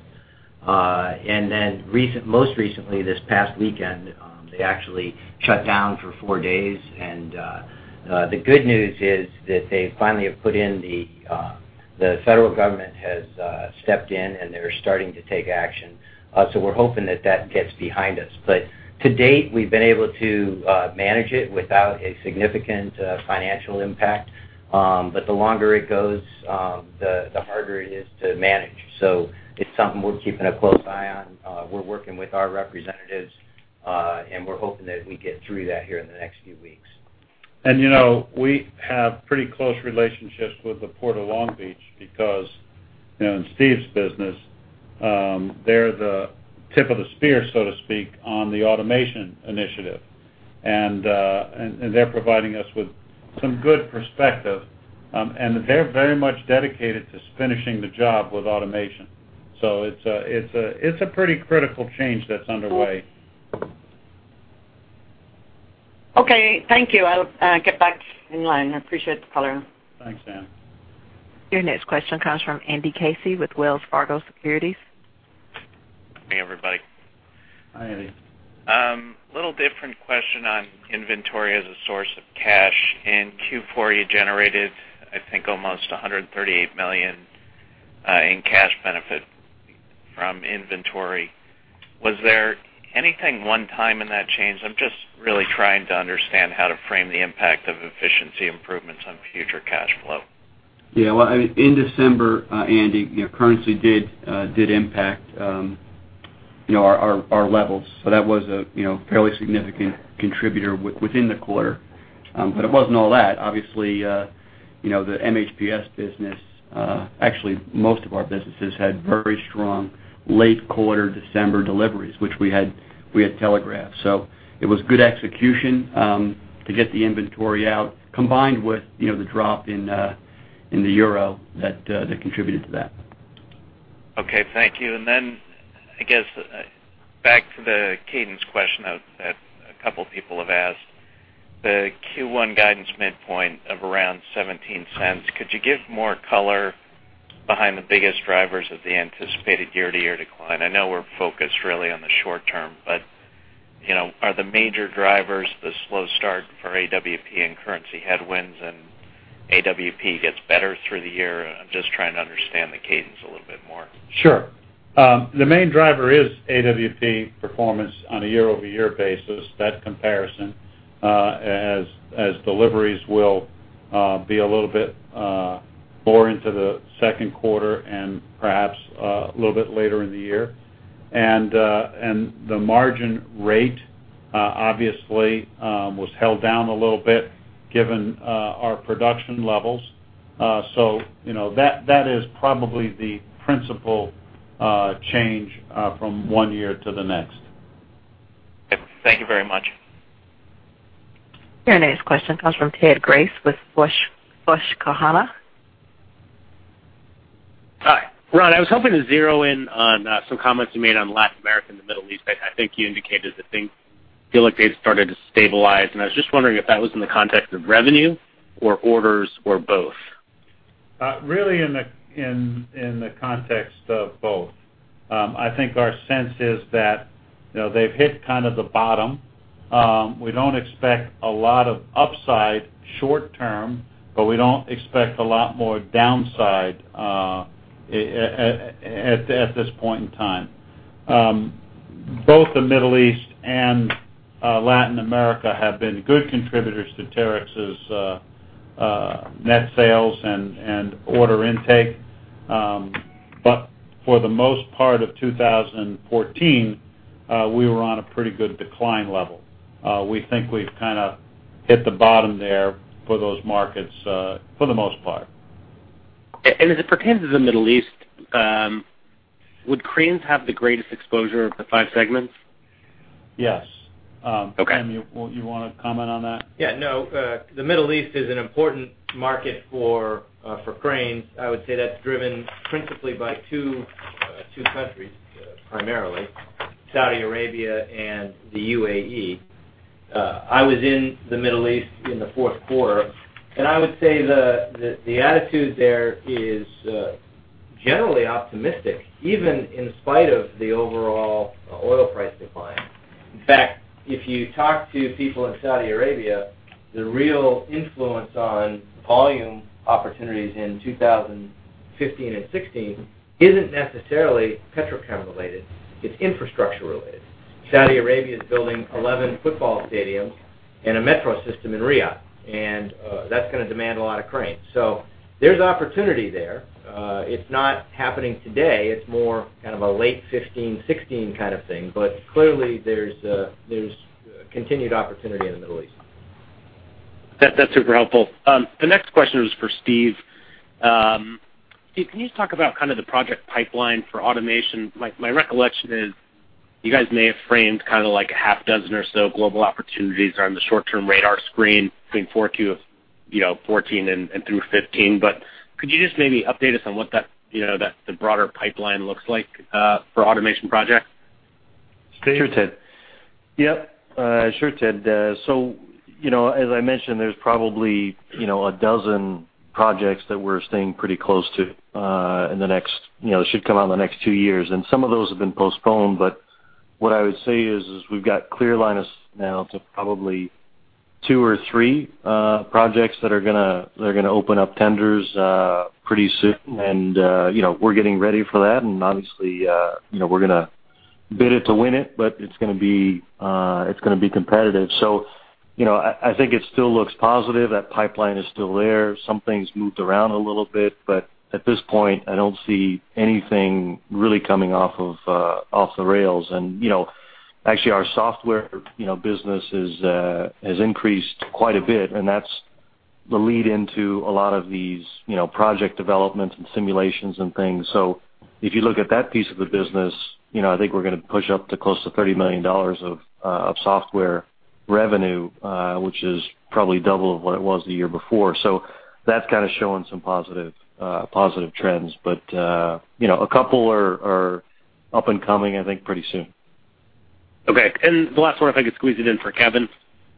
Most recently, this past weekend, they actually shut down for four days. The good news is that they finally have put in, the federal government has stepped in, and they're starting to take action. We're hoping that that gets behind us. To date, we've been able to manage it without a significant financial impact. The longer it goes, the harder it is to manage. It's something we're keeping a close eye on. We're working with our representatives, and we're hoping that we get through that here in the next few weeks. We have pretty close relationships with the Port of Long Beach because in Steve's business, they're the tip of the spear, so to speak, on the automation initiative. They're providing us with some good perspective, and they're very much dedicated to finishing the job with automation. It's a pretty critical change that's underway. Okay. Thank you. I'll get back in line. I appreciate the color. Thanks, Ann. Your next question comes from Andrew Casey with Wells Fargo Securities. Hey, everybody. Hi, Andy. Little different question on inventory as a source of cash. In Q4, you generated, I think, almost $138 million in cash benefit from inventory. Was there anything one-time in that change? I'm just really trying to understand how to frame the impact of efficiency improvements on future cash flow. Yeah. Well, in December, Andy, currency did impact our levels. That was a fairly significant contributor within the quarter. It wasn't all that. Obviously, the MHPS business, actually most of our businesses, had very strong late quarter December deliveries, which we had telegraphed. It was good execution to get the inventory out, combined with the drop in the euro that contributed to that. Okay. Thank you. I guess back to the cadence question that a couple people have asked. The Q1 guidance midpoint of around $0.17, could you give more color behind the biggest drivers of the anticipated year-to-year decline? I know we're focused really on the short term, are the major drivers the slow start for AWP and currency headwinds and AWP gets better through the year? I'm just trying to understand the cadence a little bit more. Sure. The main driver is AWP performance on a year-over-year basis. That comparison as deliveries will be a little bit more into the second quarter and perhaps a little bit later in the year. The margin rate obviously was held down a little bit given our production levels. That is probably the principal change from one year to the next. Thank you very much. Your next question comes from Ted Grace with Susquehanna Financial Group. Hi. Ron, I was hoping to zero in on some comments you made on Latin America and the Middle East. I think you indicated that things feel like they've started to stabilize, I was just wondering if that was in the context of revenue or orders or both. In the context of both I think our sense is that they've hit the bottom. We don't expect a lot of upside short term, but we don't expect a lot more downside at this point in time. Both the Middle East and Latin America have been good contributors to Terex's net sales and order intake. For the most part of 2014, we were on a pretty good decline level. We think we've hit the bottom there for those markets, for the most part. As it pertains to the Middle East, would cranes have the greatest exposure of the five segments? Yes. Okay. Tim, you want to comment on that? No. The Middle East is an important market for cranes. I would say that's driven principally by two countries, primarily. Saudi Arabia and the UAE. I was in the Middle East in the fourth quarter. I would say the attitude there is generally optimistic, even in spite of the overall oil price decline. In fact, if you talk to people in Saudi Arabia, the real influence on volume opportunities in 2015 and '16 isn't necessarily petrochem related. It's infrastructure related. Saudi Arabia is building 11 football stadiums and a metro system in Riyadh, that's going to demand a lot of cranes. There's opportunity there. It's not happening today. It's more a late '15, '16 kind of thing. Clearly, there's continued opportunity in the Middle East. That's super helpful. The next question is for Steve. Steve, can you talk about the project pipeline for automation? My recollection is you guys may have framed a half dozen or so global opportunities are on the short-term radar screen between 4Q of 2014 and through 2015. Could you just maybe update us on what the broader pipeline looks like for automation projects? Steve? Sure, Ted. Sure, Ted. As I mentioned, there's probably 12 projects that we're staying pretty close to should come out in the next two years, and some of those have been postponed. What I would say is we've got clear line of sight now to probably two or three projects that are going to open up tenders pretty soon. We're getting ready for that, and obviously, we're going to bid it to win it, but it's going to be competitive. I think it still looks positive. That pipeline is still there. Some things moved around a little bit, but at this point, I don't see anything really coming off the rails. Actually our software business has increased quite a bit, and that's the lead into a lot of these project developments and simulations and things. If you look at that piece of the business, I think we're going to push up to close to $30 million of software revenue, which is probably double of what it was the year before. That's showing some positive trends. A couple are up and coming, I think, pretty soon. Okay. The last one, if I could squeeze it in for Kevin.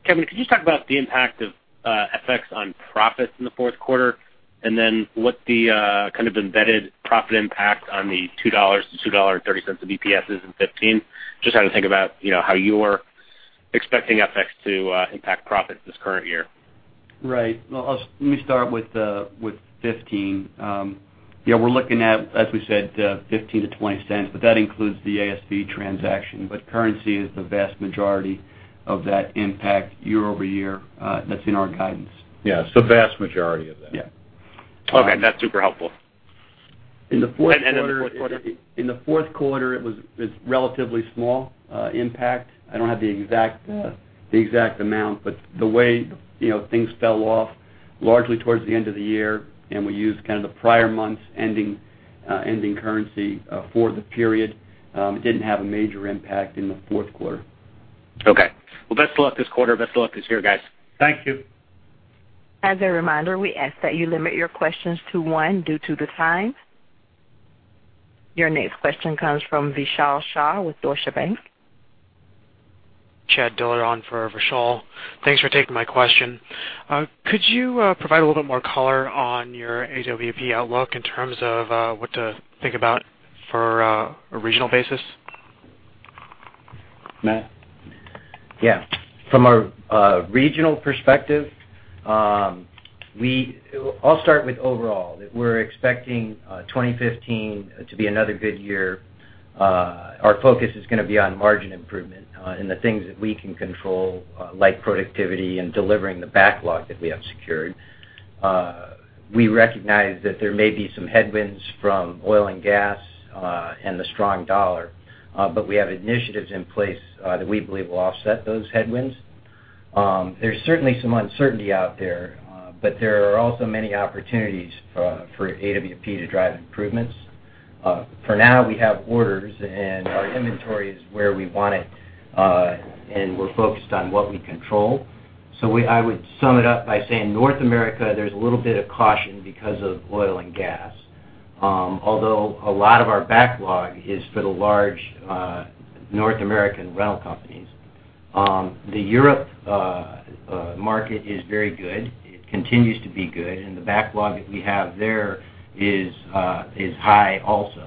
Kevin, could you just talk about the impact of FX on profits in the fourth quarter, and then what the embedded profit impact on the $2-$2.30 of EPS is in 2015? Just trying to think about how you're expecting FX to impact profits this current year. Well, let me start with 2015. We're looking at, as we said, $0.15-$0.20, but that includes the ASV transaction. Currency is the vast majority of that impact year-over-year that's in our guidance. It's the vast majority of that. Yeah. That's super helpful. In the fourth quarter, it was relatively small impact. I don't have the exact amount, but the way things fell off largely towards the end of the year, and we used the prior month's ending currency for the period. It didn't have a major impact in the fourth quarter. Okay. Well, best of luck this quarter. Best of luck this year, guys. Thank you. As a reminder, we ask that you limit your questions to one due to the time. Your next question comes from Vishal Shah with Deutsche Bank. Chad Dillard for Vishal. Thanks for taking my question. Could you provide a little bit more color on your AWP outlook in terms of what to think about for a regional basis? Matt? Yeah. From a regional perspective, I'll start with overall, that we're expecting 2015 to be another good year. Our focus is going to be on margin improvement in the things that we can control, like productivity and delivering the backlog that we have secured. We recognize that there may be some headwinds from oil and gas, and the strong dollar, but we have initiatives in place that we believe will offset those headwinds. There's certainly some uncertainty out there, but there are also many opportunities for AWP to drive improvements. For now, we have orders, and our inventory is where we want it, and we're focused on what we control. I would sum it up by saying North America, there's a little bit of caution because of oil and gas. Although a lot of our backlog is for the large North American rental companies. The Europe market is very good. It continues to be good, and the backlog that we have there is high also.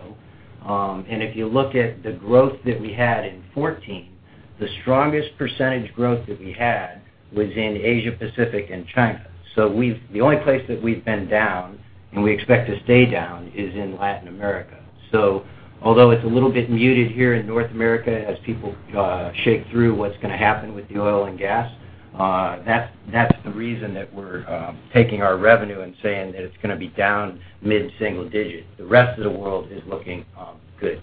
If you look at the growth that we had in 2014, the strongest percentage growth that we had was in Asia Pacific and China. The only place that we've been down, and we expect to stay down, is in Latin America. Although it's a little bit muted here in North America as people shake through what's going to happen with the oil and gas, that's the reason that we're taking our revenue and saying that it's going to be down mid-single digit. The rest of the world is looking good.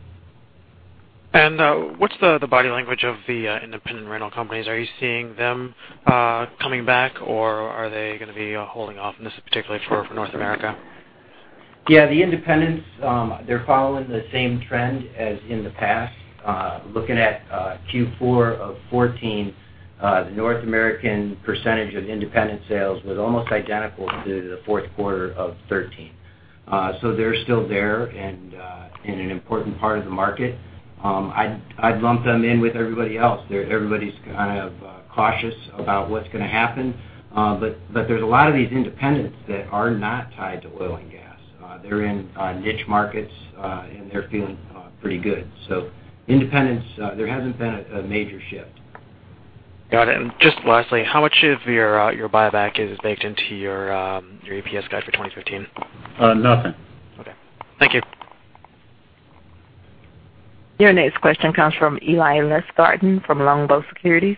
What's the body language of the independent rental companies? Are you seeing them coming back, or are they going to be holding off? This is particularly for North America. Yeah, the independents, they're following the same trend as in the past. Looking at Q4 of 2014, the North American percentage of independent sales was almost identical to the fourth quarter of 2013. They're still there and an important part of the market. I'd lump them in with everybody else. Everybody's kind of cautious about what's going to happen. There's a lot of these independents that are not tied to oil and gas. They're in niche markets, and they're feeling pretty good. Independents, there hasn't been a major shift. Got it. Just lastly, how much of your buyback is baked into your EPS guide for 2015? Nothing. Okay. Thank you. Your next question comes from Eli Lustgarten from Longbow Research. Good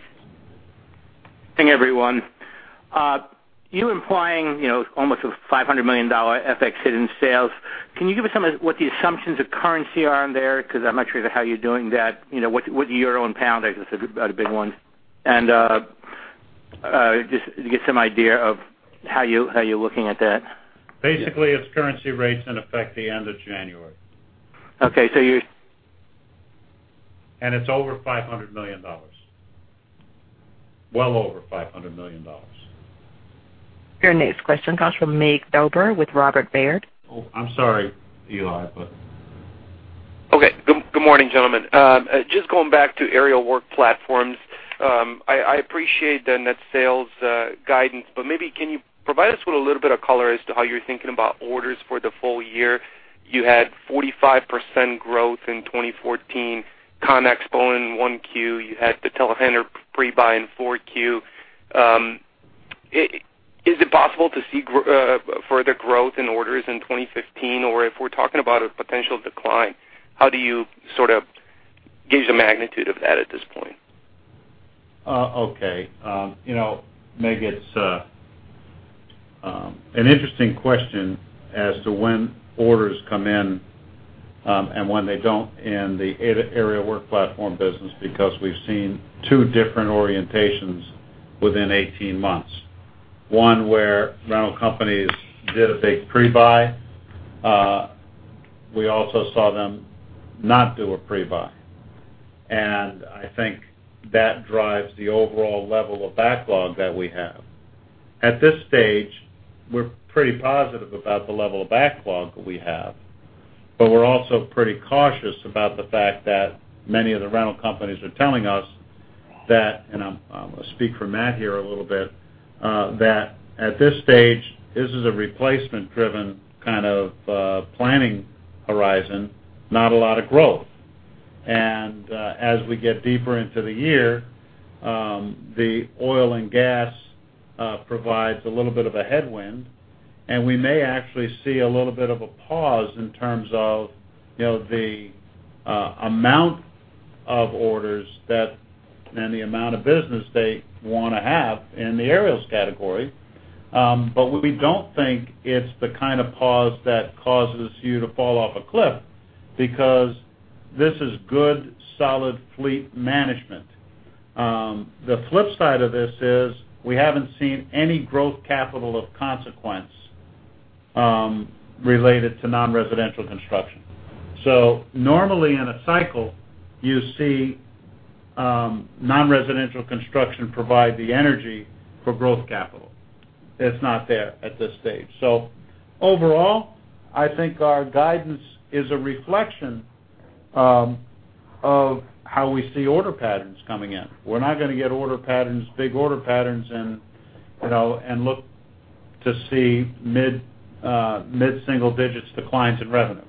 morning, everyone. You're implying almost a $500 million FX hit in sales. Can you give us some of what the assumptions of currency are in there? I'm not sure how you're doing that. What euro and pound, I guess are the big ones. Just to get some idea of how you're looking at that. Basically, it's currency rates in effect the end of January. Okay. It's over $500 million. Well over $500 million. Your next question comes from Mig Dobre with Robert W. Baird. Oh, I'm sorry, Eli. Okay. Good morning, gentlemen. Just going back to Aerial Work Platforms. I appreciate the net sales guidance, maybe can you provide us with a little bit of color as to how you're thinking about orders for the full year? You had 45% growth in 2014, ConExpo in 1Q, you had the telehandler pre-buy in 4Q. Is it possible to see further growth in orders in 2015? If we're talking about a potential decline, how do you sort of gauge the magnitude of that at this point? Okay. Mig, it's an interesting question as to when orders come in and when they don't in the Aerial Work Platforms business, because we've seen two different orientations within 18 months. One where rental companies did a big pre-buy. We also saw them not do a pre-buy. I think that drives the overall level of backlog that we have. At this stage, we're pretty positive about the level of backlog that we have, but we're also pretty cautious about the fact that many of the rental companies are telling us that, and I'm going to speak for Matt here a little bit, that at this stage, this is a replacement-driven kind of planning horizon, not a lot of growth. As we get deeper into the year, the oil and gas provides a little bit of a headwind, and we may actually see a little bit of a pause in terms of the amount of orders and the amount of business they want to have in the aerials category. We don't think it's the kind of pause that causes you to fall off a cliff, because this is good, solid fleet management. The flip side of this is we haven't seen any growth capital of consequence related to non-residential construction. Normally in a cycle, you see non-residential construction provide the energy for growth capital. It's not there at this stage. Overall, I think our guidance is a reflection of how we see order patterns coming in. We're not going to get order patterns, big order patterns in, and look to see mid-single digits declines in revenue.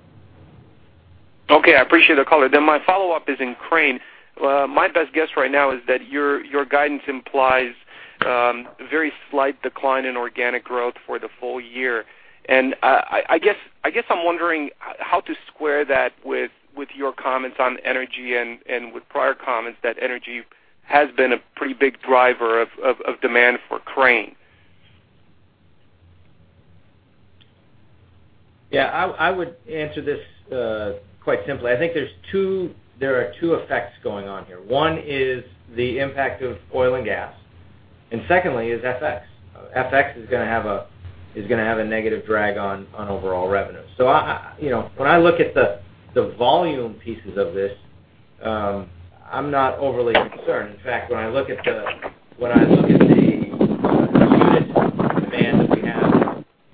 My follow-up is in Crane. My best guess right now is that your guidance implies a very slight decline in organic growth for the full year. I guess I'm wondering how to square that with your comments on energy and with prior comments that energy has been a pretty big driver of demand for Crane. I would answer this quite simply. I think there are two effects going on here. One is the impact of oil and gas, and secondly is FX. FX is going to have a negative drag on overall revenue. When I look at the volume pieces of this, I'm not overly concerned. In fact, when I look at the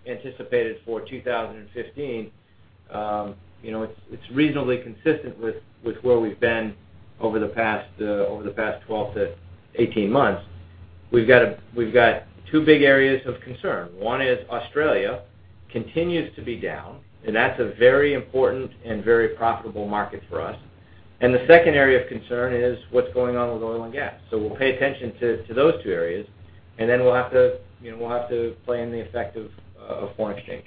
Anticipated for 2015, it's reasonably consistent with where we've been over the past 12 to 18 months. We've got two big areas of concern. One is Australia continues to be down, and that's a very important and very profitable market for us. The second area of concern is what's going on with oil and gas. We'll pay attention to those two areas, then we'll have to play in the effect of foreign exchange.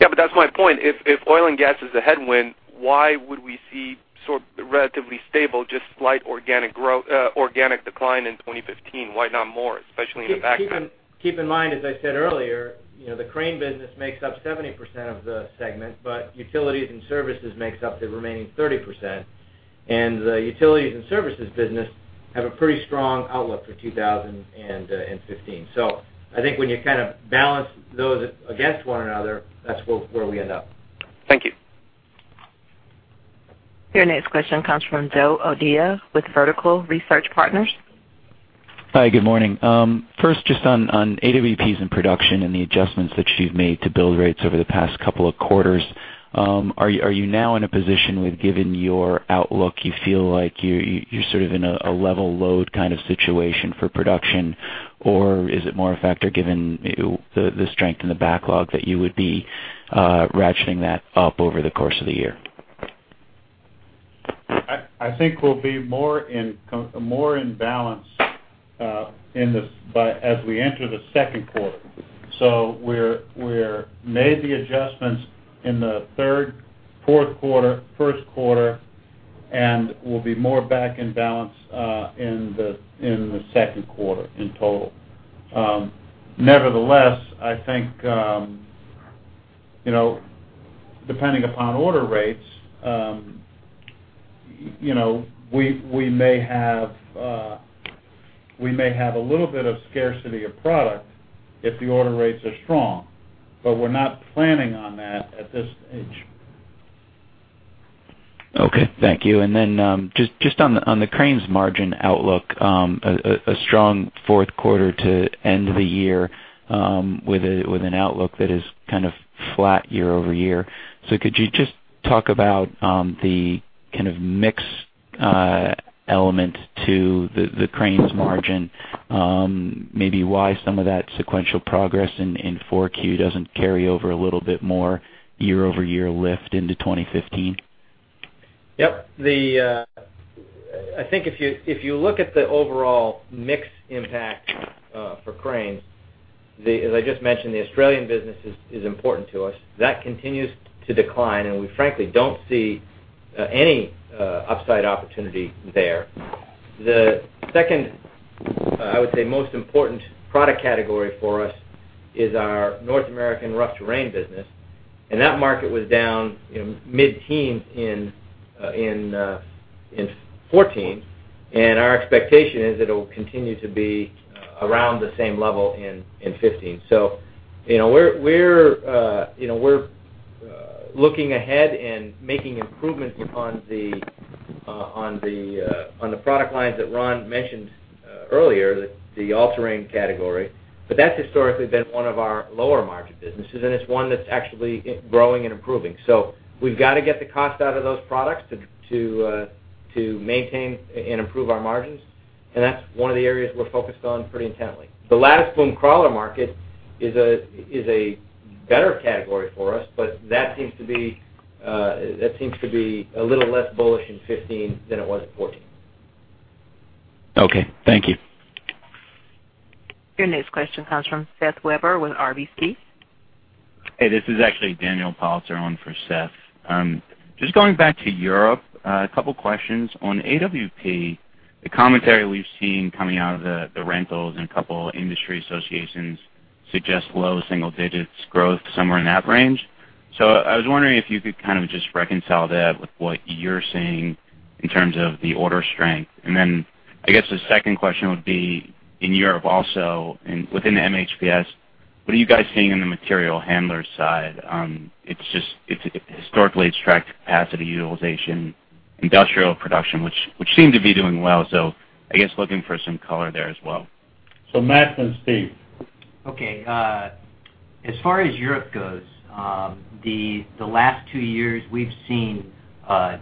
That's my point. If oil and gas is a headwind, why would we see sort of relatively stable, just slight organic decline in 2015? Why not more, especially in the back half? Keep in mind, as I said earlier, the crane business makes up 70% of the segment, but utilities and services makes up the remaining 30%. The utilities and services business have a pretty strong outlook for 2015. I think when you kind of balance those against one another, that's where we end up. Thank you. Your next question comes from Joe O'Dea with Vertical Research Partners. Hi, good morning. First, just on AWPs and production and the adjustments that you've made to build rates over the past couple of quarters. Are you now in a position with given your outlook, you feel like you're sort of in a level load kind of situation for production? Or is it more a factor given the strength in the backlog that you would be ratcheting that up over the course of the year? I think we'll be more in balance as we enter the second quarter. We made the adjustments in the third, fourth quarter, first quarter, and we'll be more back in balance in the second quarter in total. Nevertheless, I think, depending upon order rates, we may have a little bit of scarcity of product if the order rates are strong, but we're not planning on that at this stage. Okay, thank you. Just on the cranes margin outlook, a strong fourth quarter to end the year with an outlook that is kind of flat year-over-year. Could you just talk about the kind of mix element to the cranes margin? Maybe why some of that sequential progress in Q4 doesn't carry over a little bit more year-over-year lift into 2015? Yep. I think if you look at the overall mix impact for cranes, as I just mentioned, the Australian business is important to us. That continues to decline, and we frankly don't see any upside opportunity there. The second, I would say most important product category for us is our North American rough terrain business. That market was down mid-teens in 2014, and our expectation is it'll continue to be around the same level in 2015. We're looking ahead and making improvements upon the product lines that Ron mentioned earlier, the all-terrain category. That's historically been one of our lower margin businesses, and it's one that's actually growing and improving. We've got to get the cost out of those products to maintain and improve our margins. That's one of the areas we're focused on pretty intently. The lattice boom crawler market is a better category for us, that seems to be a little less bullish in 2015 than it was in 2014. Okay, thank you. Your next question comes from Seth Weber with RBC. Hey, this is actually Daniel Polcer on for Seth. Just going back to Europe, two questions. On AWP, the commentary we've seen coming out of the rentals and two industry associations suggest low single digits growth, somewhere in that range. I was wondering if you could kind of just reconcile that with what you're seeing in terms of the order strength. I guess the second question would be in Europe also, within the MHPS, what are you guys seeing on the material handler side? Historically, it's tracked capacity utilization, industrial production, which seem to be doing well. I guess looking for some color there as well. Matt then Steve. Okay. As far as Europe goes, the last two years we've seen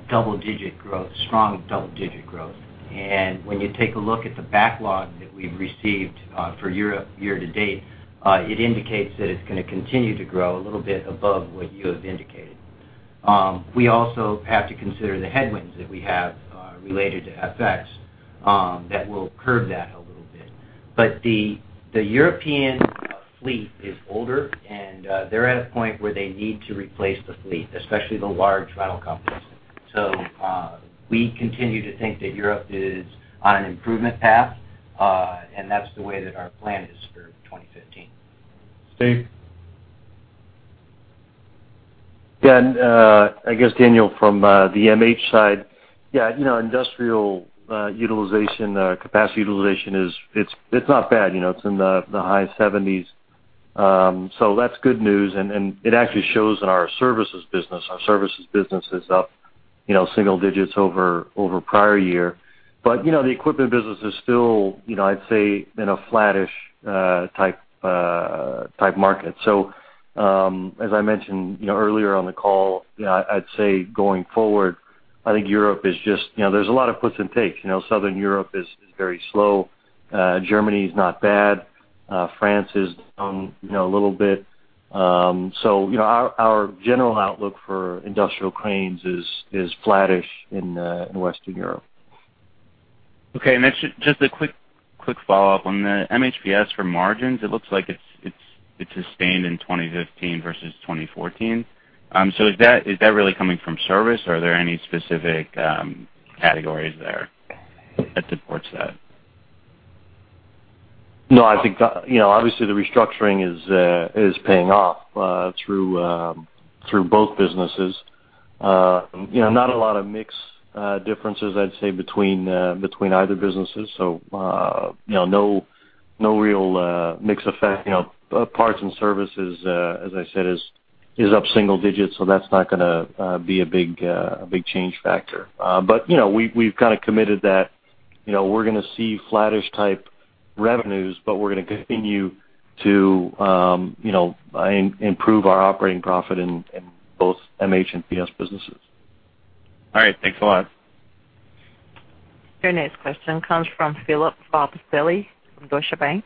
double-digit growth, strong double-digit growth. When you take a look at the backlog that we've received for Europe year to date, it indicates that it's going to continue to grow a little bit above what you have indicated. We also have to consider the headwinds that we have related to FX that will curb that a little bit. The European fleet is older, and they're at a point where they need to replace the fleet, especially the large rental companies. We continue to think that Europe is on an improvement path, and that's the way that our plan is for 2015. Steve? Yeah. I guess Daniel, from the MH side, industrial utilization, capacity utilization is not bad. It's in the high 70s. That's good news, and it actually shows in our services business. Our services business is up single digits over prior year. The equipment business is still, I'd say, in a flattish type market. As I mentioned earlier on the call, I'd say, going forward, I think Europe is just, there's a lot of puts and takes. Southern Europe is very slow. Germany's not bad. France is down a little bit. Our general outlook for industrial cranes is flattish in Western Europe. Okay, next, just a quick follow-up. On the MHPS, for margins, it looks like it sustained in 2015 versus 2014. Is that really coming from service, or are there any specific categories there that supports that? No, I think, obviously, the restructuring is paying off through both businesses. Not a lot of mix differences, I'd say, between either businesses. No real mix effect. Parts and services, as I said, is up single digits, that's not going to be a big change factor. We've kind of committed that we're going to see flattish type revenues, but we're going to continue to improve our operating profit in both MH and PS businesses. All right. Thanks a lot. Your next question comes from Philip Faccili from Deutsche Bank.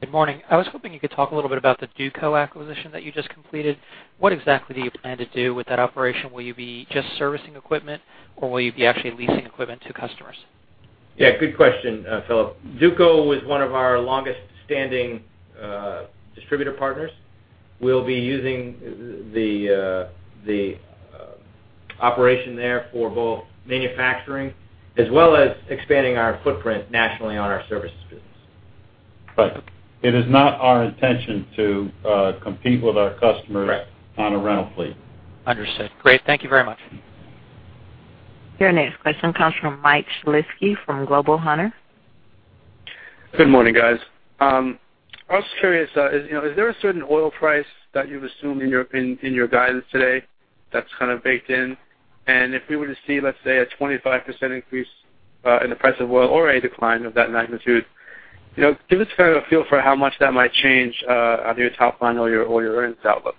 Good morning. I was hoping you could talk a little bit about the Dueco acquisition that you just completed. What exactly do you plan to do with that operation? Will you be just servicing equipment, or will you be actually leasing equipment to customers? Yeah, good question, Philip. Dueco was one of our longest-standing distributor partners. We'll be using the operation there for both manufacturing as well as expanding our footprint nationally on our services business. Right. It is not our intention to compete with our customers- Right on a rental fleet. Understood. Great. Thank you very much. Your next question comes from Michael Shlisky from Global Hunter Securities. Good morning, guys. I was curious, is there a certain oil price that you've assumed in your guidance today that's kind of baked in? If we were to see, let's say, a 25% increase in the price of oil or a decline of that magnitude, give us a feel for how much that might change on your top line or your earnings outlook.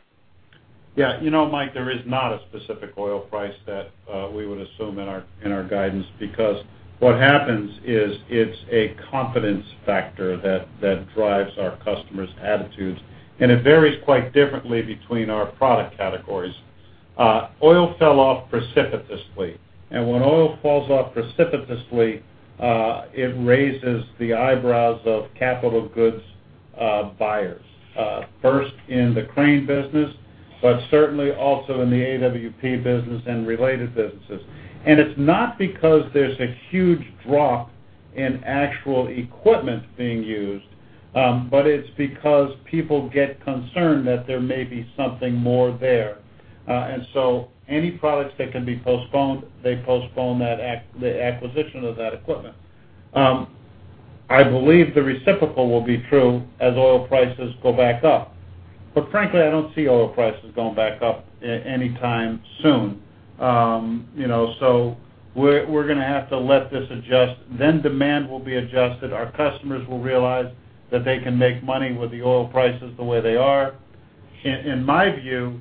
Mike, there is not a specific oil price that we would assume in our guidance, because what happens is it's a confidence factor that drives our customers' attitudes, and it varies quite differently between our product categories. Oil fell off precipitously. When oil falls off precipitously, it raises the eyebrows of capital goods buyers. First in the crane business, but certainly also in the AWP business and related businesses. It's not because there's a huge drop in actual equipment being used, but it's because people get concerned that there may be something more there. So any products that can be postponed, they postpone the acquisition of that equipment. I believe the reciprocal will be true as oil prices go back up. Frankly, I don't see oil prices going back up any time soon. We're going to have to let this adjust, then demand will be adjusted. Our customers will realize that they can make money with the oil prices the way they are. In my view,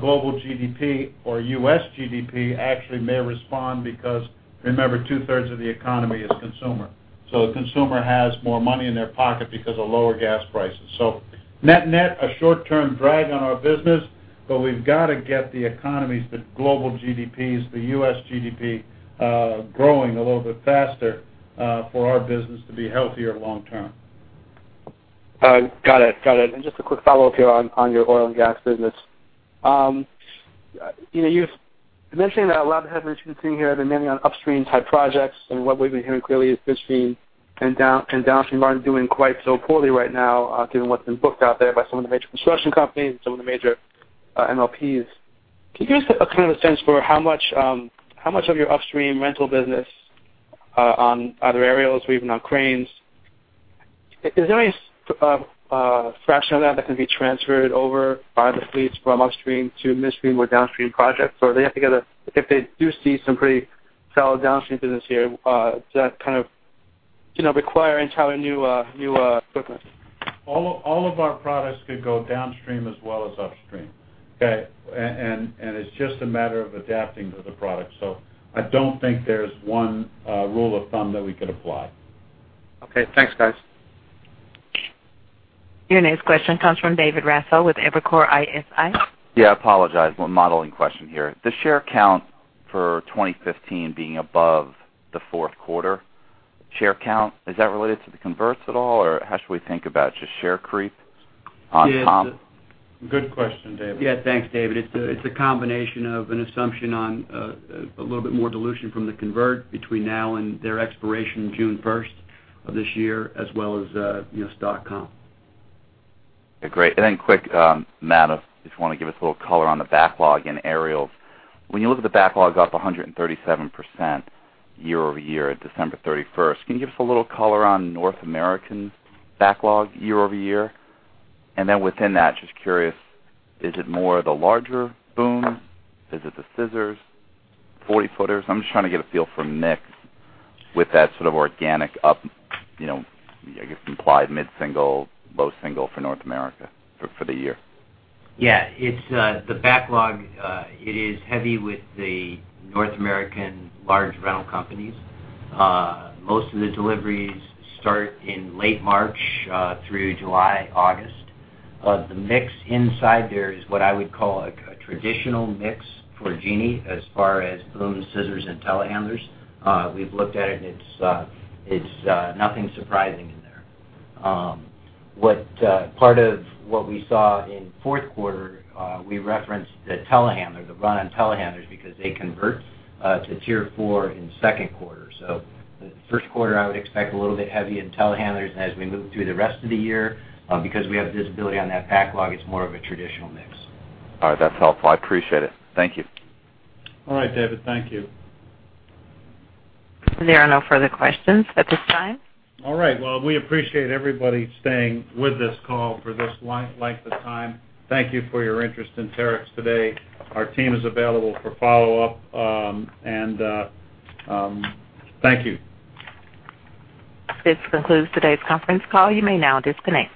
global GDP or U.S. GDP actually may respond because remember, two-thirds of the economy is consumer. The consumer has more money in their pocket because of lower gas prices. Net-net, a short-term drag on our business, but we've got to get the economies, the global GDPs, the U.S. GDP, growing a little bit faster for our business to be healthier long-term. Got it. Just a quick follow-up here on your oil and gas business. You've mentioned that a lot of the heavy lifting here have been mainly on upstream-type projects, and what we've been hearing clearly is midstream and downstream aren't doing quite so poorly right now, given what's been booked out there by some of the major construction companies and some of the major MLPs. Can you give us a sense for how much of your upstream rental business on either aerials or even on cranes, is there any fraction of that can be transferred over by the fleets from upstream to midstream or downstream projects? Or if they do see some pretty solid downstream business here, does that require entirely new equipment? All of our products could go downstream as well as upstream. Okay. It's just a matter of adapting to the product. I don't think there's one rule of thumb that we could apply. Okay. Thanks, guys. Your next question comes from David Raso with Evercore ISI. Yeah, apologize. One modeling question here. The share count for 2015 being above the fourth quarter share count, is that related to the converts at all, or how should we think about just share creep on top? Good question, David. Yeah, thanks, David. It's a combination of an assumption on a little bit more dilution from the convert between now and their expiration June 1st of this year, as well as stock comp. Great. Quick, Matt, if you want to give us a little color on the backlog in aerials. When you look at the backlog's up 137% year-over-year at December 31st, can you give us a little color on North American backlog year-over-year? Within that, just curious, is it more of the larger booms? Is it the scissors, 40-footers? I'm just trying to get a feel for mix with that sort of organic up, I guess, implied mid-single, low single for North America for the year. Yeah. The backlog, it is heavy with the North American large rental companies. Most of the deliveries start in late March through July, August. The mix inside there is what I would call a traditional mix for Genie as far as booms, scissors, and telehandlers. We've looked at it, and it is nothing surprising in there. Part of what we saw in fourth quarter, we referenced the telehandler, the run on telehandlers because they convert to Tier 4 in second quarter. The first quarter, I would expect a little bit heavy in telehandlers. As we move through the rest of the year, because we have visibility on that backlog, it is more of a traditional mix. All right, that's helpful. I appreciate it. Thank you. All right, David. Thank you. There are no further questions at this time. All right. Well, we appreciate everybody staying with this call for this length of time. Thank you for your interest in Terex today. Our team is available for follow-up. Thank you. This concludes today's conference call. You may now disconnect.